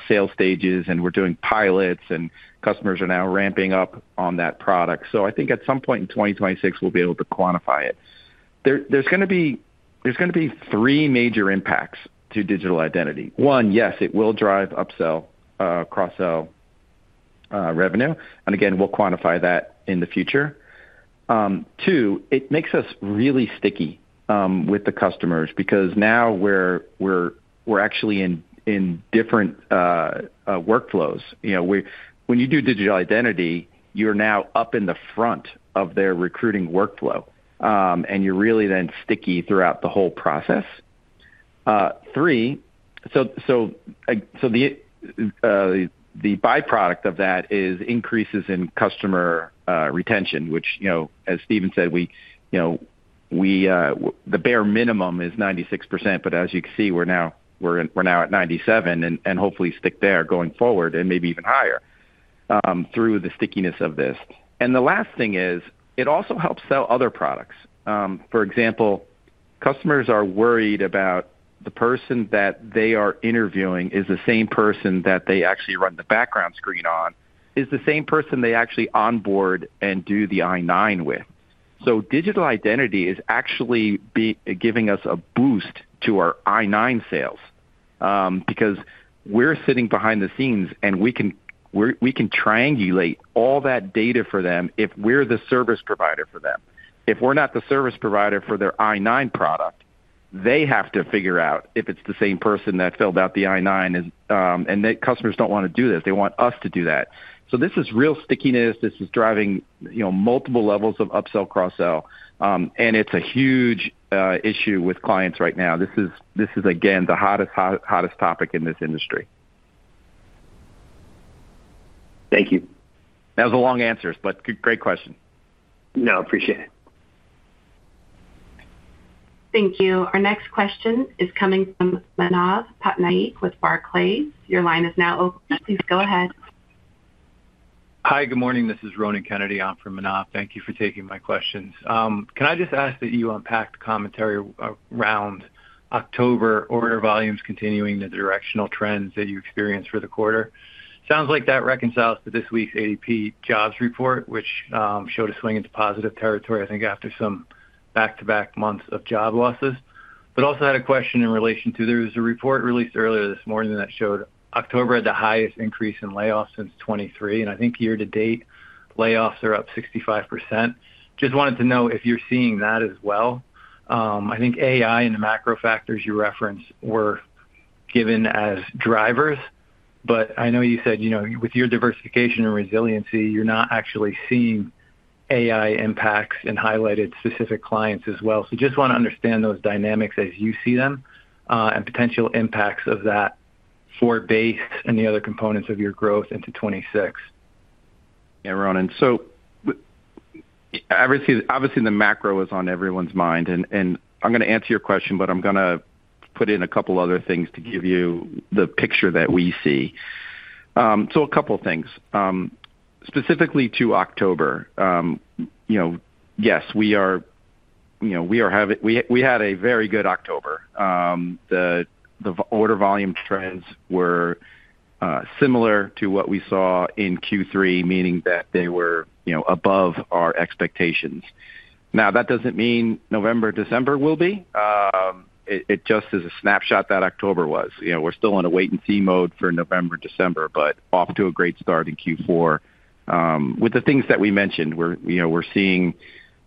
sales stages, and we're doing pilots, and customers are now ramping up on that product. I think at some point in 2026, we'll be able to quantify it. There's going to be three major impacts to digital identity. One, yes, it will drive upsell, cross-sell revenue. And again, we'll quantify that in the future. Two, it makes us really sticky with the customers because now we're actually in different workflows. When you do digital identity, you're now up in the front of their recruiting workflow, and you're really then sticky throughout the whole process. Three. The byproduct of that is increases in customer retention, which, as Stephen said, the bare minimum is 96%, but as you can see, we're now at 97% and hopefully stick there going forward and maybe even higher through the stickiness of this. The last thing is it also helps sell other products. For example, customers are worried about the person that they are interviewing is the same person that they actually run the background screen on, is the same person they actually onboard and do the I-9 with. Digital identity is actually giving us a boost to our I-9 sales because we're sitting behind the scenes, and we can triangulate all that data for them if we're the service provider for them. If we're not the service provider for their I-9 product, they have to figure out if it's the same person that filled out the I-9. Customers do not want to do this. They want us to do that. This is real stickiness. This is driving multiple levels of upsell, cross-sell. It is a huge issue with clients right now. This is, again, the hottest, hottest topic in this industry. Thank you. That was a long answer, but great question. No, appreciate it. Thank you. Our next question is coming from Manav Patnaik with Barclays. Your line is now open. Please go ahead. Hi. Good morning. This is Ronan Kennedy. I'm from Manav. Thank you for taking my questions. Can I just ask that you unpack the commentary around October order volumes continuing the directional trends that you experience for the quarter? Sounds like that reconciles to this week's ADP jobs report, which showed a swing into positive territory, I think, after some back-to-back months of job losses. I also had a question in relation to there was a report released earlier this morning that showed October had the highest increase in layoffs since 2023, and I think year-to-date layoffs are up 65%. Just wanted to know if you're seeing that as well. I think AI and the macro factors you referenced were given as drivers, but I know you said with your diversification and resiliency, you're not actually seeing AI impacts and highlighted specific clients as well. Just want to understand those dynamics as you see them and potential impacts of that. For base and the other components of your growth into 2026. Yeah, Ronan. Obviously, the macro is on everyone's mind. I'm going to answer your question, but I'm going to put in a couple of other things to give you the picture that we see. A couple of things. Specifically to October. Yes, we are having, we had a very good October. The order volume trends were similar to what we saw in Q3, meaning that they were above our expectations. That doesn't mean November, December will be. It just is a snapshot that October was. We're still in a wait-and-see mode for November, December, but off to a great start in Q4. With the things that we mentioned, we're seeing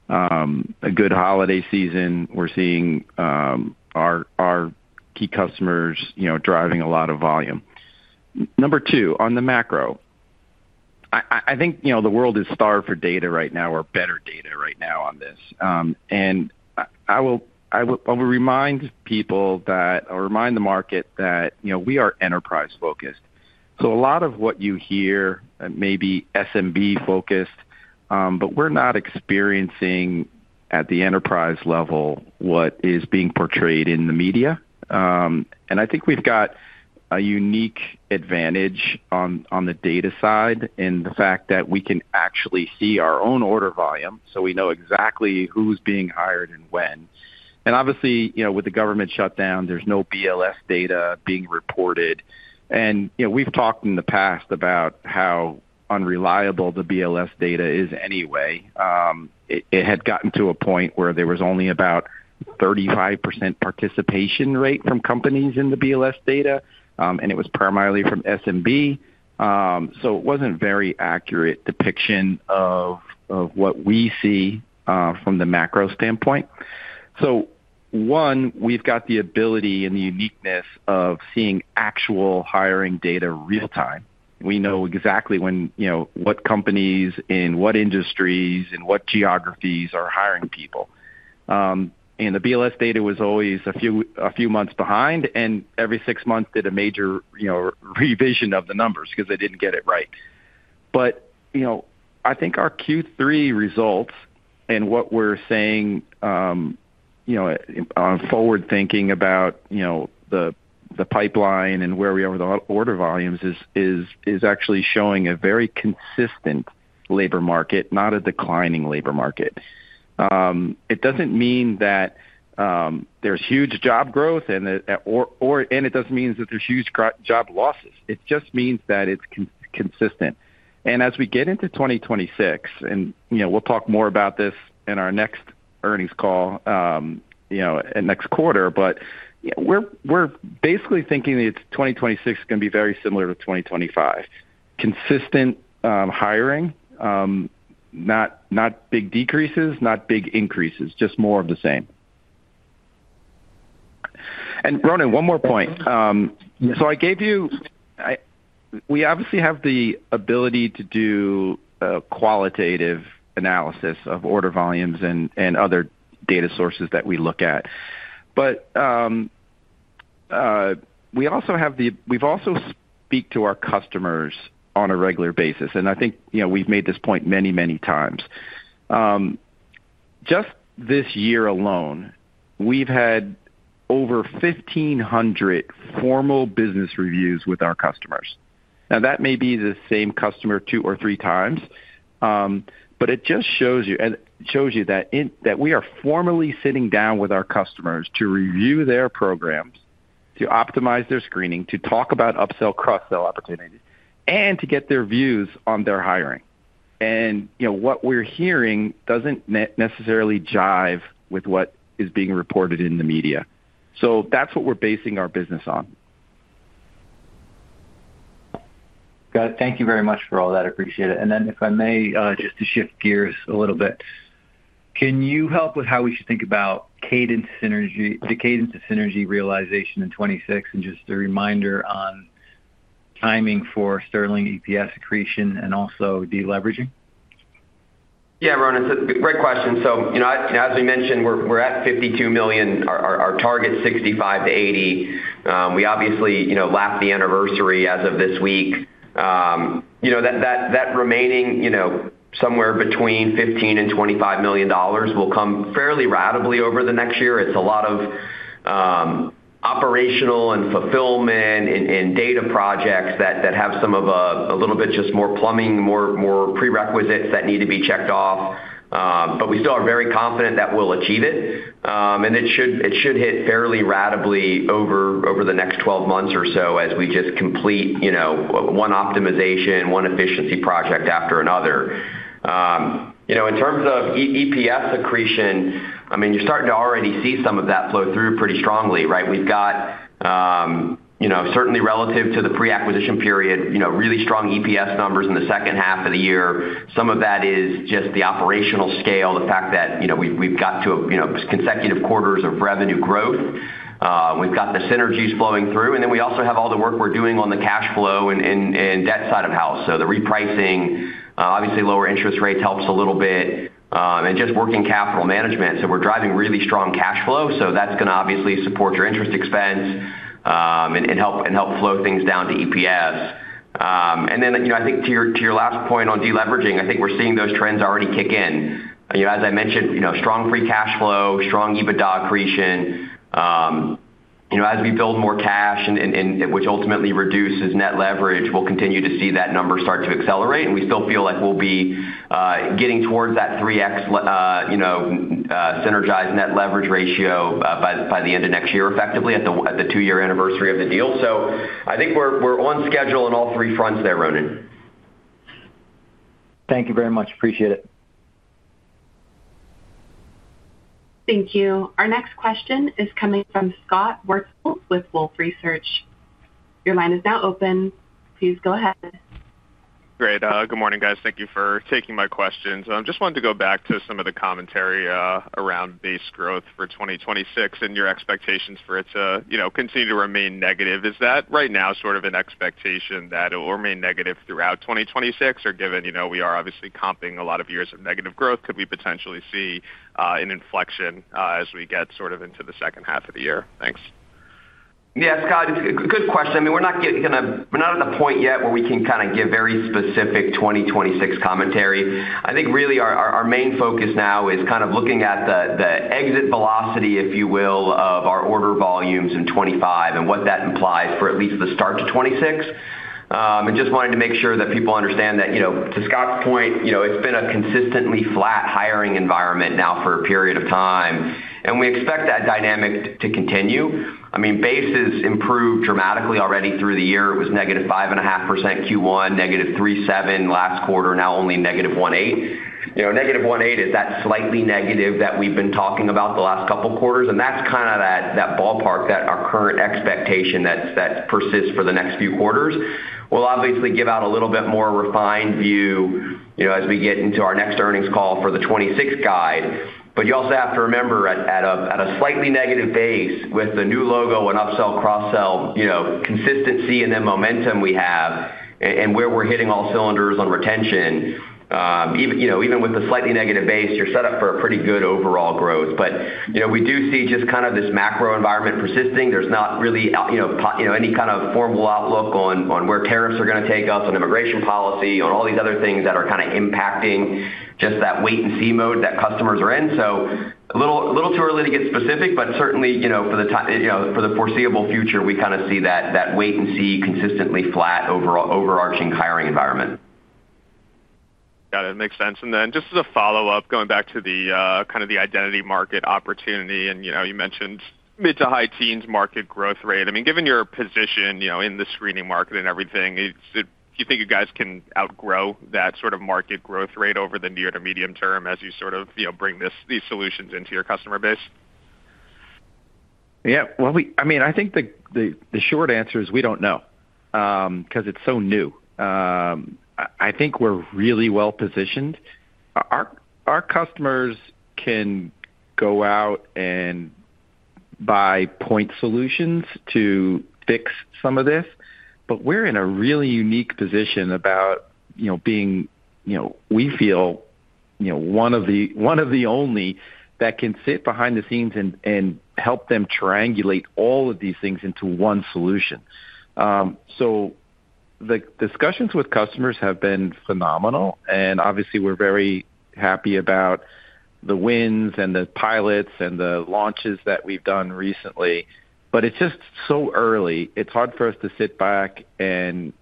a good holiday season. We're seeing our key customers driving a lot of volume. Number two, on the macro. I think the world is starved for data right now, or better data right now on this. I will remind people that, or remind the market that we are enterprise-focused. A lot of what you hear may be SMB-focused, but we're not experiencing at the enterprise level what is being portrayed in the media. I think we've got a unique advantage on the data side in the fact that we can actually see our own order volume, so we know exactly who's being hired and when. Obviously, with the government shutdown, there's no BLS data being reported. We have talked in the past about how unreliable the BLS data is anyway. It had gotten to a point where there was only about 35% participation rate from companies in the BLS data, and it was primarily from SMB. It was not a very accurate depiction of what we see from the macro standpoint. One, we have the ability and the uniqueness of seeing actual hiring data real-time. We know exactly what companies in what industries and what geographies are hiring people. The BLS data was always a few months behind, and every six months did a major revision of the numbers because they did not get it right. I think our Q3 results and what we are saying on forward-thinking about the pipeline and where we are with order volumes is actually showing a very consistent labor market, not a declining labor market. It does not mean that. There's huge job growth, and it doesn't mean that there's huge job losses. It just means that it's consistent. As we get into 2026, and we'll talk more about this in our next earnings call next quarter, but we're basically thinking that 2026 is going to be very similar to 2025. Consistent hiring. Not big decreases, not big increases, just more of the same. Ronan, one more point. I gave you, we obviously have the ability to do qualitative analysis of order volumes and other data sources that we look at. We've also spoken to our customers on a regular basis. I think we've made this point many, many times. Just this year alone, we've had over 1,500 formal business reviews with our customers. Now, that may be the same customer two or three times. It just shows you that we are formally sitting down with our customers to review their programs, to optimize their screening, to talk about upsell, cross-sell opportunities, and to get their views on their hiring. What we're hearing doesn't necessarily jive with what is being reported in the media. That's what we're basing our business on. Got it. Thank you very much for all that. I appreciate it. If I may, just to shift gears a little bit, can you help with how we should think about the cadence of synergy realization in 2026 and just a reminder on timing for Sterling EPS accretion and also deleveraging? Yeah, Ronan, it's a great question. As we mentioned, we're at $52 million. Our target's $65 million-$80 million. We obviously lapped the anniversary as of this week. That remaining somewhere between $15 million and $25 million will come fairly radically over the next year. It's a lot of operational and fulfillment and data projects that have some of a little bit just more plumbing, more prerequisites that need to be checked off. We still are very confident that we'll achieve it. It should hit fairly radically over the next 12 months or so as we just complete one optimization, one efficiency project after another. In terms of EPS accretion, I mean, you're starting to already see some of that flow through pretty strongly, right? We've got certainly relative to the pre-acquisition period, really strong EPS numbers in the second half of the year. Some of that is just the operational scale, the fact that we've got two consecutive quarters of revenue growth. We've got the synergies flowing through. We also have all the work we're doing on the cash flow and debt side of the house. The repricing, obviously, lower interest rates helps a little bit. Just working capital management. We're driving really strong cash flow. That is going to obviously support your interest expense and help flow things down to EPS. I think to your last point on deleveraging, I think we're seeing those trends already kick in. As I mentioned, strong free cash flow, strong EBITDA accretion. As we build more cash, which ultimately reduces net leverage, we'll continue to see that number start to accelerate. We still feel like we'll be getting towards that 3x synergized net leverage ratio by the end of next year, effectively at the two-year anniversary of the deal. I think we're on schedule on all three fronts there, Ronan. Thank you very much. Appreciate it. Thank you. Our next question is coming from Scott Wurtzel with Wolfe Research. Your line is now open. Please go ahead. Great. Good morning, guys. Thank you for taking my questions. I just wanted to go back to some of the commentary around base growth for 2026 and your expectations for it to continue to remain negative. Is that right now sort of an expectation that it will remain negative throughout 2026? Or given we are obviously comping a lot of years of negative growth, could we potentially see an inflection as we get sort of into the second half of the year? Thanks. Yeah, Scott, good question. I mean, we're not at the point yet where we can kind of give very specific 2026 commentary. I think really our main focus now is kind of looking at the exit velocity, if you will, of our order volumes in 2025 and what that implies for at least the start to 2026. I just wanted to make sure that people understand that, to Scott's point, it's been a consistently flat hiring environment now for a period of time. I mean, base has improved dramatically already through the year. It was negative 5.5% Q1, negative 3.7% last quarter, now only negative 1.8%. Negative 1.8% is that slightly negative that we've been talking about the last couple of quarters. That's kind of that ballpark that our current expectation that persists for the next few quarters will obviously give out a little bit more refined view as we get into our next earnings call for the 2026 guide. You also have to remember, at a slightly negative base with the new logo and upsell, cross-sell consistency and then momentum we have and where we're hitting all cylinders on retention. Even with a slightly negative base, you're set up for a pretty good overall growth. We do see just kind of this macro environment persisting. There's not really any kind of formal outlook on where tariffs are going to take us, on immigration policy, on all these other things that are kind of impacting just that wait-and-see mode that customers are in. A little too early to get specific, but certainly for the foreseeable future, we kind of see that wait-and-see consistently flat overarching hiring environment. Got it. Makes sense. Just as a follow-up, going back to kind of the identity market opportunity, and you mentioned mid to high teens market growth rate, I mean, given your position in the screening market and everything, do you think you guys can outgrow that sort of market growth rate over the near to medium term as you sort of bring these solutions into your customer base? Yeah. I mean, I think the short answer is we don't know because it's so new. I think we're really well positioned. Our customers can go out and buy point solutions to fix some of this. We're in a really unique position about being, we feel, one of the only that can sit behind the scenes and help them triangulate all of these things into one solution. The discussions with customers have been phenomenal. Obviously, we're very happy about the wins and the pilots and the launches that we've done recently. It's just so early. It's hard for us to sit back and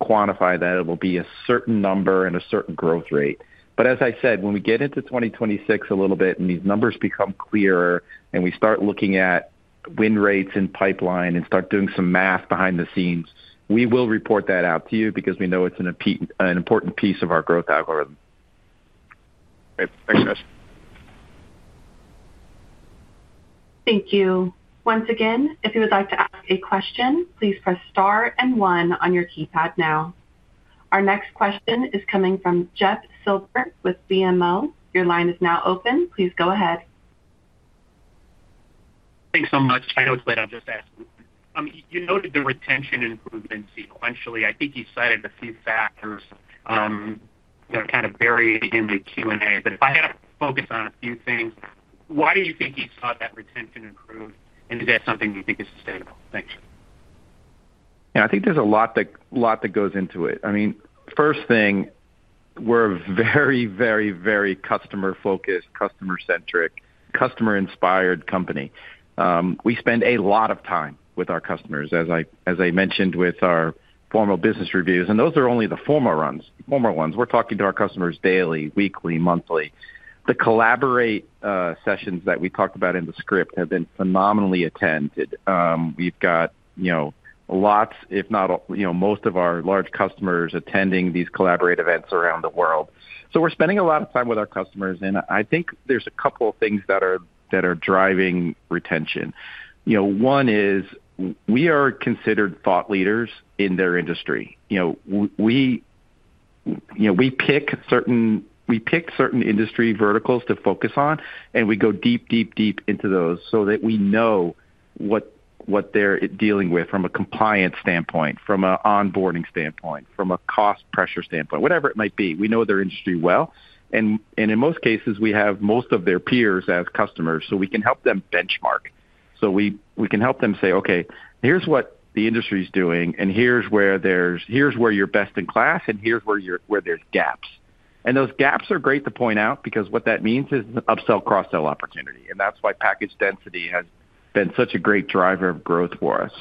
quantify that it will be a certain number and a certain growth rate. As I said, when we get into 2026 a little bit and these numbers become clearer and we start looking at win rates and pipeline and start doing some math behind the scenes, we will report that out to you because we know it's an important piece of our growth algorithm. Makes sense. Thank you. Once again, if you would like to ask a question, please press star and one on your keypad now. Our next question is coming from Jeff Silber with BMO. Your line is now open. Please go ahead. Thanks so much. I know it's late. I'm just asking. You noted the retention improvement sequentially. I think you cited a few factors. That kind of vary in the Q&A. If I had to focus on a few things, why do you think you saw that retention improve? Is that something you think is sustainable? Thanks. Yeah. I think there's a lot that goes into it. I mean, first thing. We're a very, very, very customer-focused, customer-centric, customer-inspired company. We spend a lot of time with our customers, as I mentioned, with our formal business reviews. Those are only the formal ones. We're talking to our customers daily, weekly, monthly. The Collaborate sessions that we talked about in the script have been phenomenally attended. We've got lots, if not most, of our large customers attending these Collaborate events around the world. We're spending a lot of time with our customers. I think there's a couple of things that are driving retention. One is we are considered thought leaders in their industry. We pick certain industry verticals to focus on, and we go deep, deep, deep into those so that we know what they're dealing with from a compliance standpoint, from an onboarding standpoint, from a cost pressure standpoint, whatever it might be. We know their industry well. In most cases, we have most of their peers as customers, so we can help them benchmark. We can help them say, "Okay, here's what the industry is doing, and here's where you're best in class, and here's where there's gaps." Those gaps are great to point out because what that means is upsell, cross-sell opportunity. That's why package density has been such a great driver of growth for us.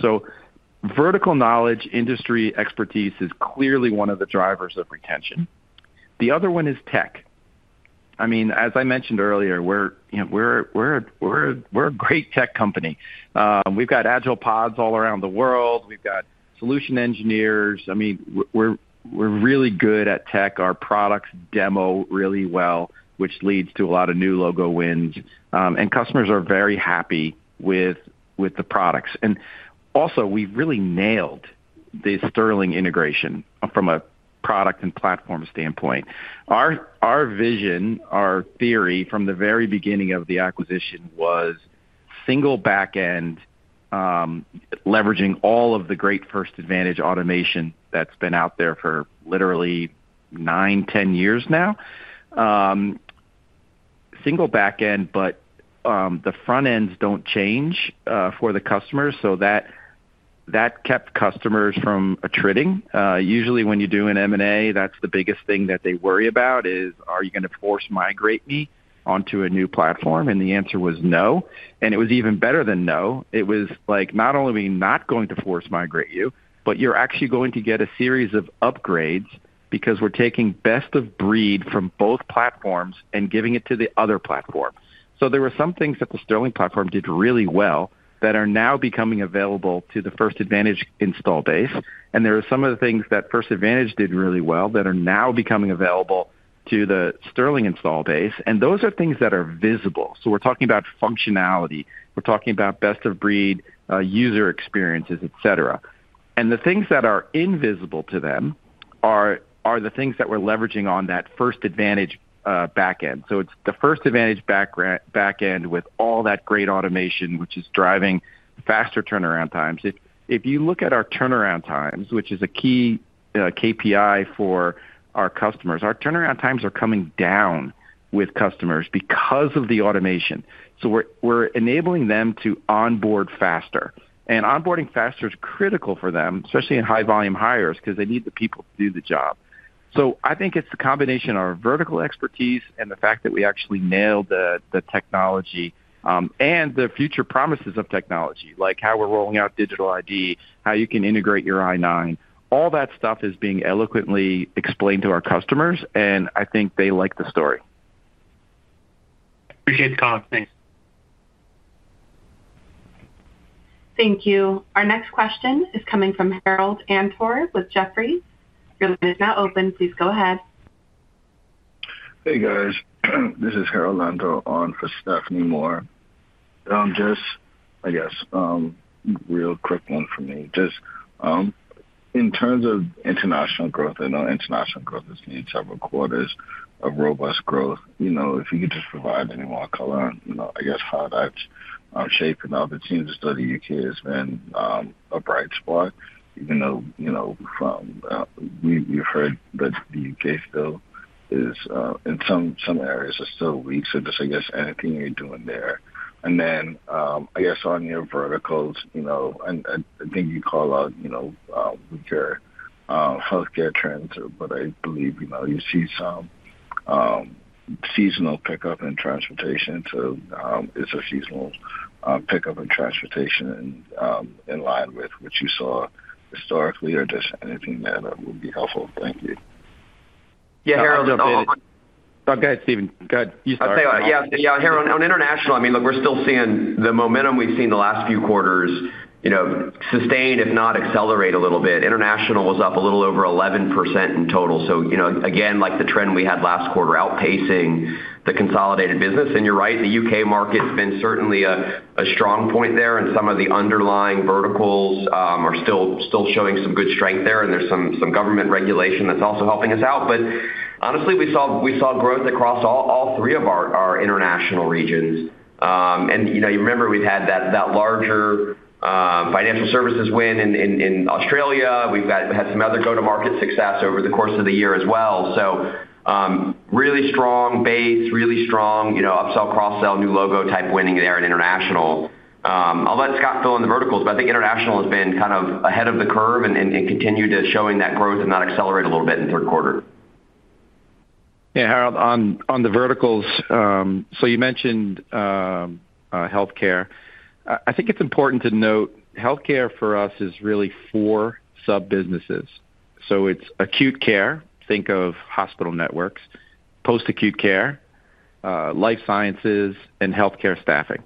Vertical knowledge, industry expertise is clearly one of the drivers of retention. The other one is tech. I mean, as I mentioned earlier, we're a great tech company. We've got Agile pods all around the world. We've got solution engineers. I mean, we're really good at tech. Our products demo really well, which leads to a lot of new logo wins. Customers are very happy with the products. Also, we've really nailed the Sterling integration from a product and platform standpoint. Our vision, our theory from the very beginning of the acquisition was single backend, leveraging all of the great First Advantage automation that's been out there for literally nine, 10 years now. Single backend, but the front ends do not change for the customers. That kept customers from attriting. Usually, when you do an M&A, that's the biggest thing that they worry about is, "Are you going to force migrate me onto a new platform?" The answer was no. It was even better than no. It was like, "Not only are we not going to force migrate you, but you're actually going to get a series of upgrades because we're taking best of breed from both platforms and giving it to the other platform." There were some things that the Sterling platform did really well that are now becoming available to the First Advantage install base. There are some of the things that First Advantage did really well that are now becoming available to the Sterling install base. Those are things that are visible. We're talking about functionality. We're talking about best of breed user experiences, etc. The things that are invisible to them are the things that we're leveraging on that First Advantage backend. It is the First Advantage backend with all that great automation, which is driving faster turnaround times. If you look at our turnaround times, which is a key KPI for our customers, our turnaround times are coming down with customers because of the automation. We are enabling them to onboard faster. Onboarding faster is critical for them, especially in high-volume hires, because they need the people to do the job. I think it is the combination of our vertical expertise and the fact that we actually nailed the technology and the future promises of technology, like how we're rolling out digital ID, how you can integrate your I-9. All that stuff is being eloquently explained to our customers, and I think they like the story. Appreciate the call. Thanks. Thank you. Our next question is coming from Harold Antor with Jefferies. Your line is now open. Please go ahead. Hey, guys. This is Harold Antor on for Stephanie Moore. I guess. Real quick one for me. In terms of international growth, I know international growth has needed several quarters of robust growth. If you could just provide any more color, I guess, how that's shaping now, the teams to study U.K. has been a bright spot, even though. You've heard that the U.K. still is, in some areas, still weak. So just, I guess, anything you're doing there. And then, I guess, on your verticals, I think you call out. Your. Healthcare trends, but I believe you see some. Seasonal pickup in transportation. So is a seasonal pickup in transportation in line with what you saw historically, or just anything there that would be helpful. Thank you. Go ahead. You start. Yeah, Harold, on international, I mean, look, we're still seeing the momentum we've seen the last few quarters. Sustain, if not accelerate a little bit. International was up a little over 11% in total. Again, like the trend we had last quarter, outpacing the consolidated business. You're right, the U.K. market has been certainly a strong point there, and some of the underlying verticals are still showing some good strength there. There's some government regulation that's also helping us out. Honestly, we saw growth across all three of our international regions. You remember we've had that larger financial services win in Australia. We've had some other go-to-market success over the course of the year as well. Really strong base, really strong upsell, cross-sell, new logo type winning there in international. I'll let Scott fill in the verticals, but I think international has been kind of ahead of the curve and continued to show that growth and that accelerate a little bit in the third quarter. Yeah, Harold, on the verticals, so you mentioned. Healthcare. I think it's important to note healthcare for us is really four sub-businesses. So it's acute care, think of hospital networks, post-acute care. Life sciences, and healthcare staffing.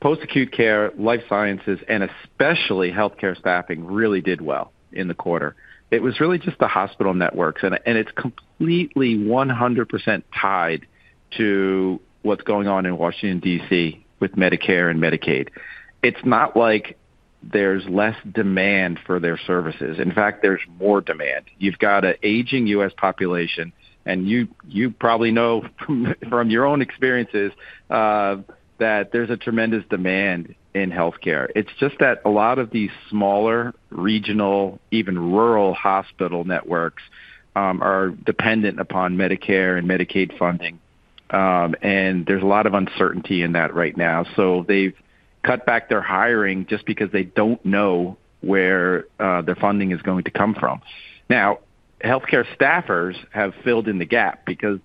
Post-acute care, life sciences, and especially healthcare staffing really did well in the quarter. It was really just the hospital networks. And it's completely 100% tied to what's going on in Washington, DC, with Medicare and Medicaid. It's not like there's less demand for their services. In fact, there's more demand. You've got an aging U.S. population, and you probably know from your own experiences. That there's a tremendous demand in healthcare. It's just that a lot of these smaller, regional, even rural hospital networks are dependent upon Medicare and Medicaid funding. There's a lot of uncertainty in that right now. They've cut back their hiring just because they don't know where their funding is going to come from. Now, healthcare staffers have filled in the gap because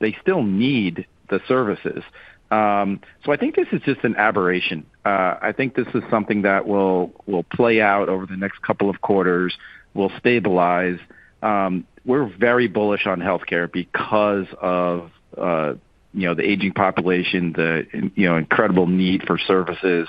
they still need the services. I think this is just an aberration. I think this is something that will play out over the next couple of quarters. We'll stabilize. We're very bullish on healthcare because of the aging population, the incredible need for services.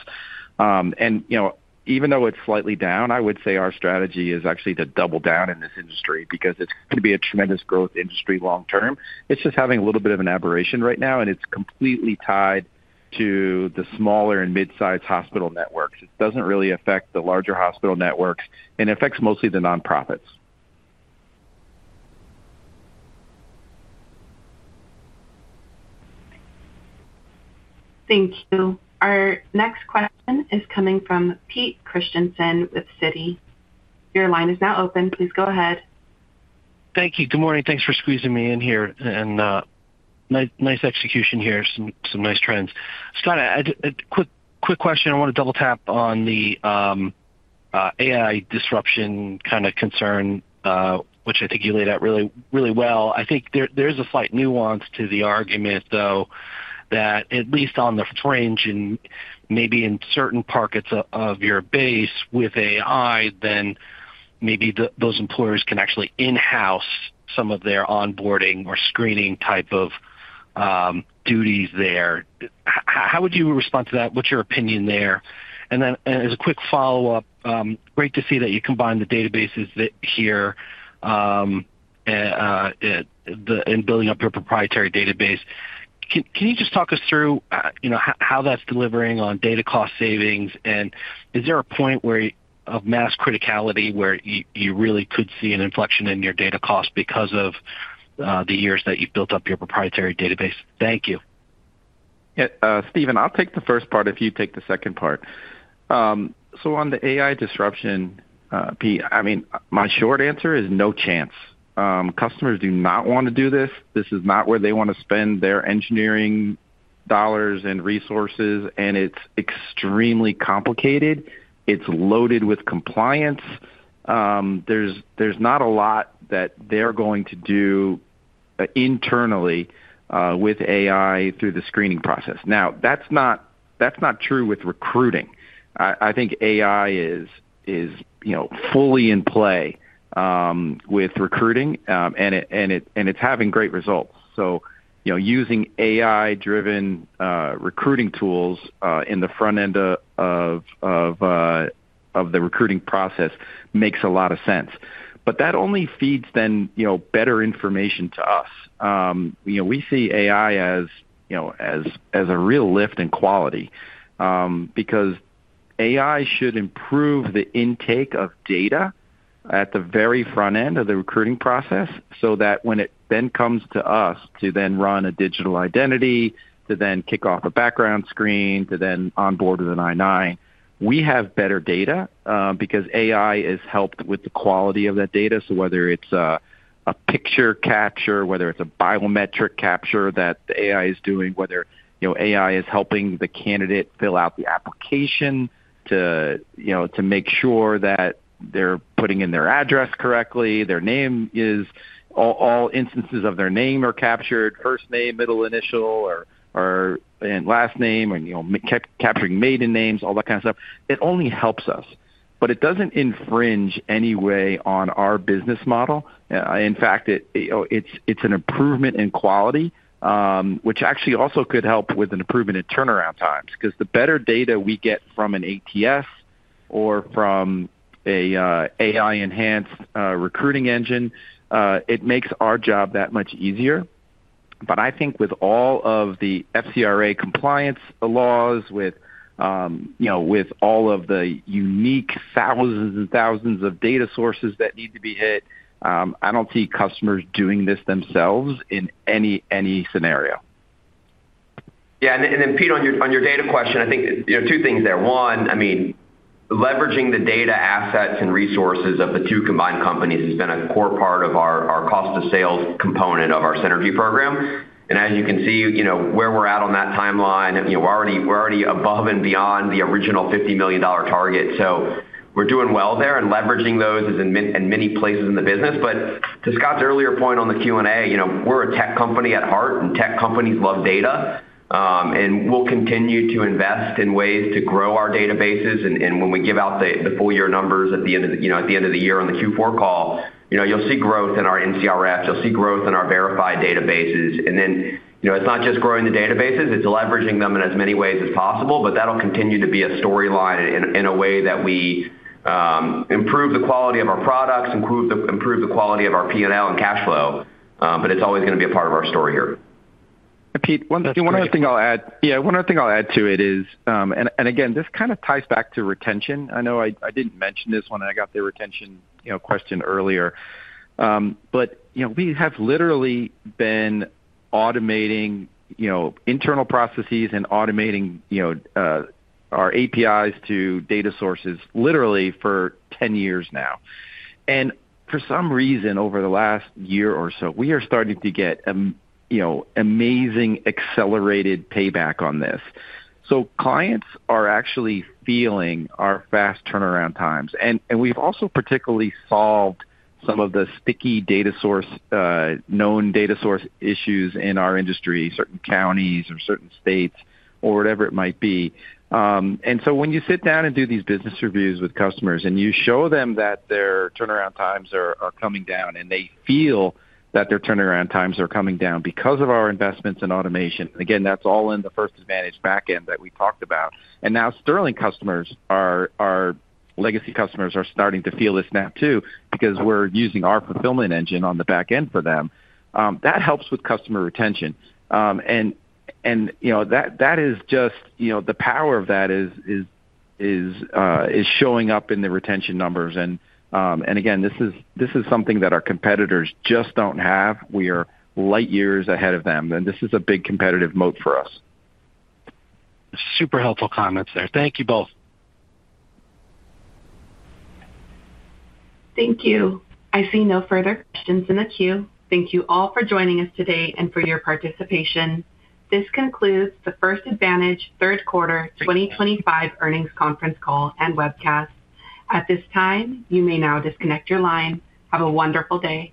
Even though it's slightly down, I would say our strategy is actually to double down in this industry because it's going to be a tremendous growth industry long term. It's just having a little bit of an aberration right now, and it's completely tied to the smaller and mid-sized hospital networks. It doesn't really affect the larger hospital networks. It affects mostly the nonprofits. Thank you. Our next question is coming from Pete Christiansen with Citi. Your line is now open. Please go ahead. Thank you. Good morning. Thanks for squeezing me in here. Nice execution here. Some nice trends. Scott, quick question. I want to double tap on the AI disruption kind of concern, which I think you laid out really well. I think there is a slight nuance to the argument, though, that at least on the fringe and maybe in certain pockets of your base with AI, then maybe those employers can actually in-house some of their onboarding or screening type of duties there. How would you respond to that? What's your opinion there? As a quick follow-up, great to see that you combine the databases here. And building up your proprietary database. Can you just talk us through how that's delivering on data cost savings? Is there a point of mass criticality where you really could see an inflection in your data cost because of the years that you built up your proprietary database? Thank you. Yeah. Stephen, I'll take the first part if you take the second part. On the AI disruption, my short answer is no chance. Customers do not want to do this. This is not where they want to spend their engineering dollars and resources, and it's extremely complicated. It's loaded with compliance. There's not a lot that they're going to do internally with AI through the screening process. Now, that's not true with recruiting. I think AI is fully in play. With recruiting, and it's having great results. Using AI-driven recruiting tools in the front end of the recruiting process makes a lot of sense. That only feeds then better information to us. We see AI as a real lift in quality because AI should improve the intake of data at the very front end of the recruiting process so that when it then comes to us to then run a digital identity, to then kick off a background screen, to then onboard with an I-9, we have better data because AI has helped with the quality of that data. Whether it's a picture capture, whether it's a biometric capture that AI is doing, whether AI is helping the candidate fill out the application to make sure that they're putting in their address correctly. All instances of their name are captured, first name, middle initial, and last name, and capturing maiden names, all that kind of stuff. It only helps us, but it does not infringe any way on our business model. In fact, it is an improvement in quality, which actually also could help with an improvement in turnaround times because the better data we get from an ATS or from an AI-enhanced recruiting engine, it makes our job that much easier. I think with all of the FCRA compliance laws, with all of the unique thousands and thousands of data sources that need to be hit, I do not see customers doing this themselves in any scenario. Yeah. Then, Pete, on your data question, I think two things there. One, I mean, leveraging the data assets and resources of the two combined companies has been a core part of our cost-to-sales component of our synergy program. As you can see, where we're at on that timeline, we're already above and beyond the original $50 million target. We're doing well there and leveraging those in many places in the business. To Scott's earlier point on the Q&A, we're a tech company at heart, and tech companies love data. We'll continue to invest in ways to grow our databases. When we give out the full year numbers at the end of the year on the Q4 call, you'll see growth in our NCRFs. You'll see growth in our verified databases. It's not just growing the databases. It's leveraging them in as many ways as possible, but that'll continue to be a storyline in a way that we improve the quality of our products, improve the quality of our P&L and cash flow. It's always going to be a part of our story here. Pete, one other thing I'll add. Yeah, one other thing I'll add to it is, and again, this kind of ties back to retention. I know I didn't mention this when I got the retention question earlier. We have literally been automating internal processes and automating our APIs to data sources literally for 10 years now. For some reason, over the last year or so, we are starting to get amazing accelerated payback on this. Clients are actually feeling our fast turnaround times. We have also particularly solved some of the sticky data source, known data source issues in our industry, certain counties or certain states or whatever it might be. When you sit down and do these business reviews with customers and you show them that their turnaround times are coming down and they feel that their turnaround times are coming down because of our investments in automation, again, that is all in the First Advantage backend that we talked about. Now Sterling customers, our legacy customers, are starting to feel this now too because we are using our fulfillment engine on the backend for them. That helps with customer retention. That is just the power of that. It is showing up in the retention numbers. Again, this is something that our competitors just do not have. We are light years ahead of them. This is a big competitive moat for us. Super helpful comments there. Thank you both. Thank you. I see no further questions in the queue. Thank you all for joining us today and for your participation. This concludes the First Advantage Third Quarter 2025 Earnings Conference Call and Webcast. At this time, you may now disconnect your line. Have a wonderful day.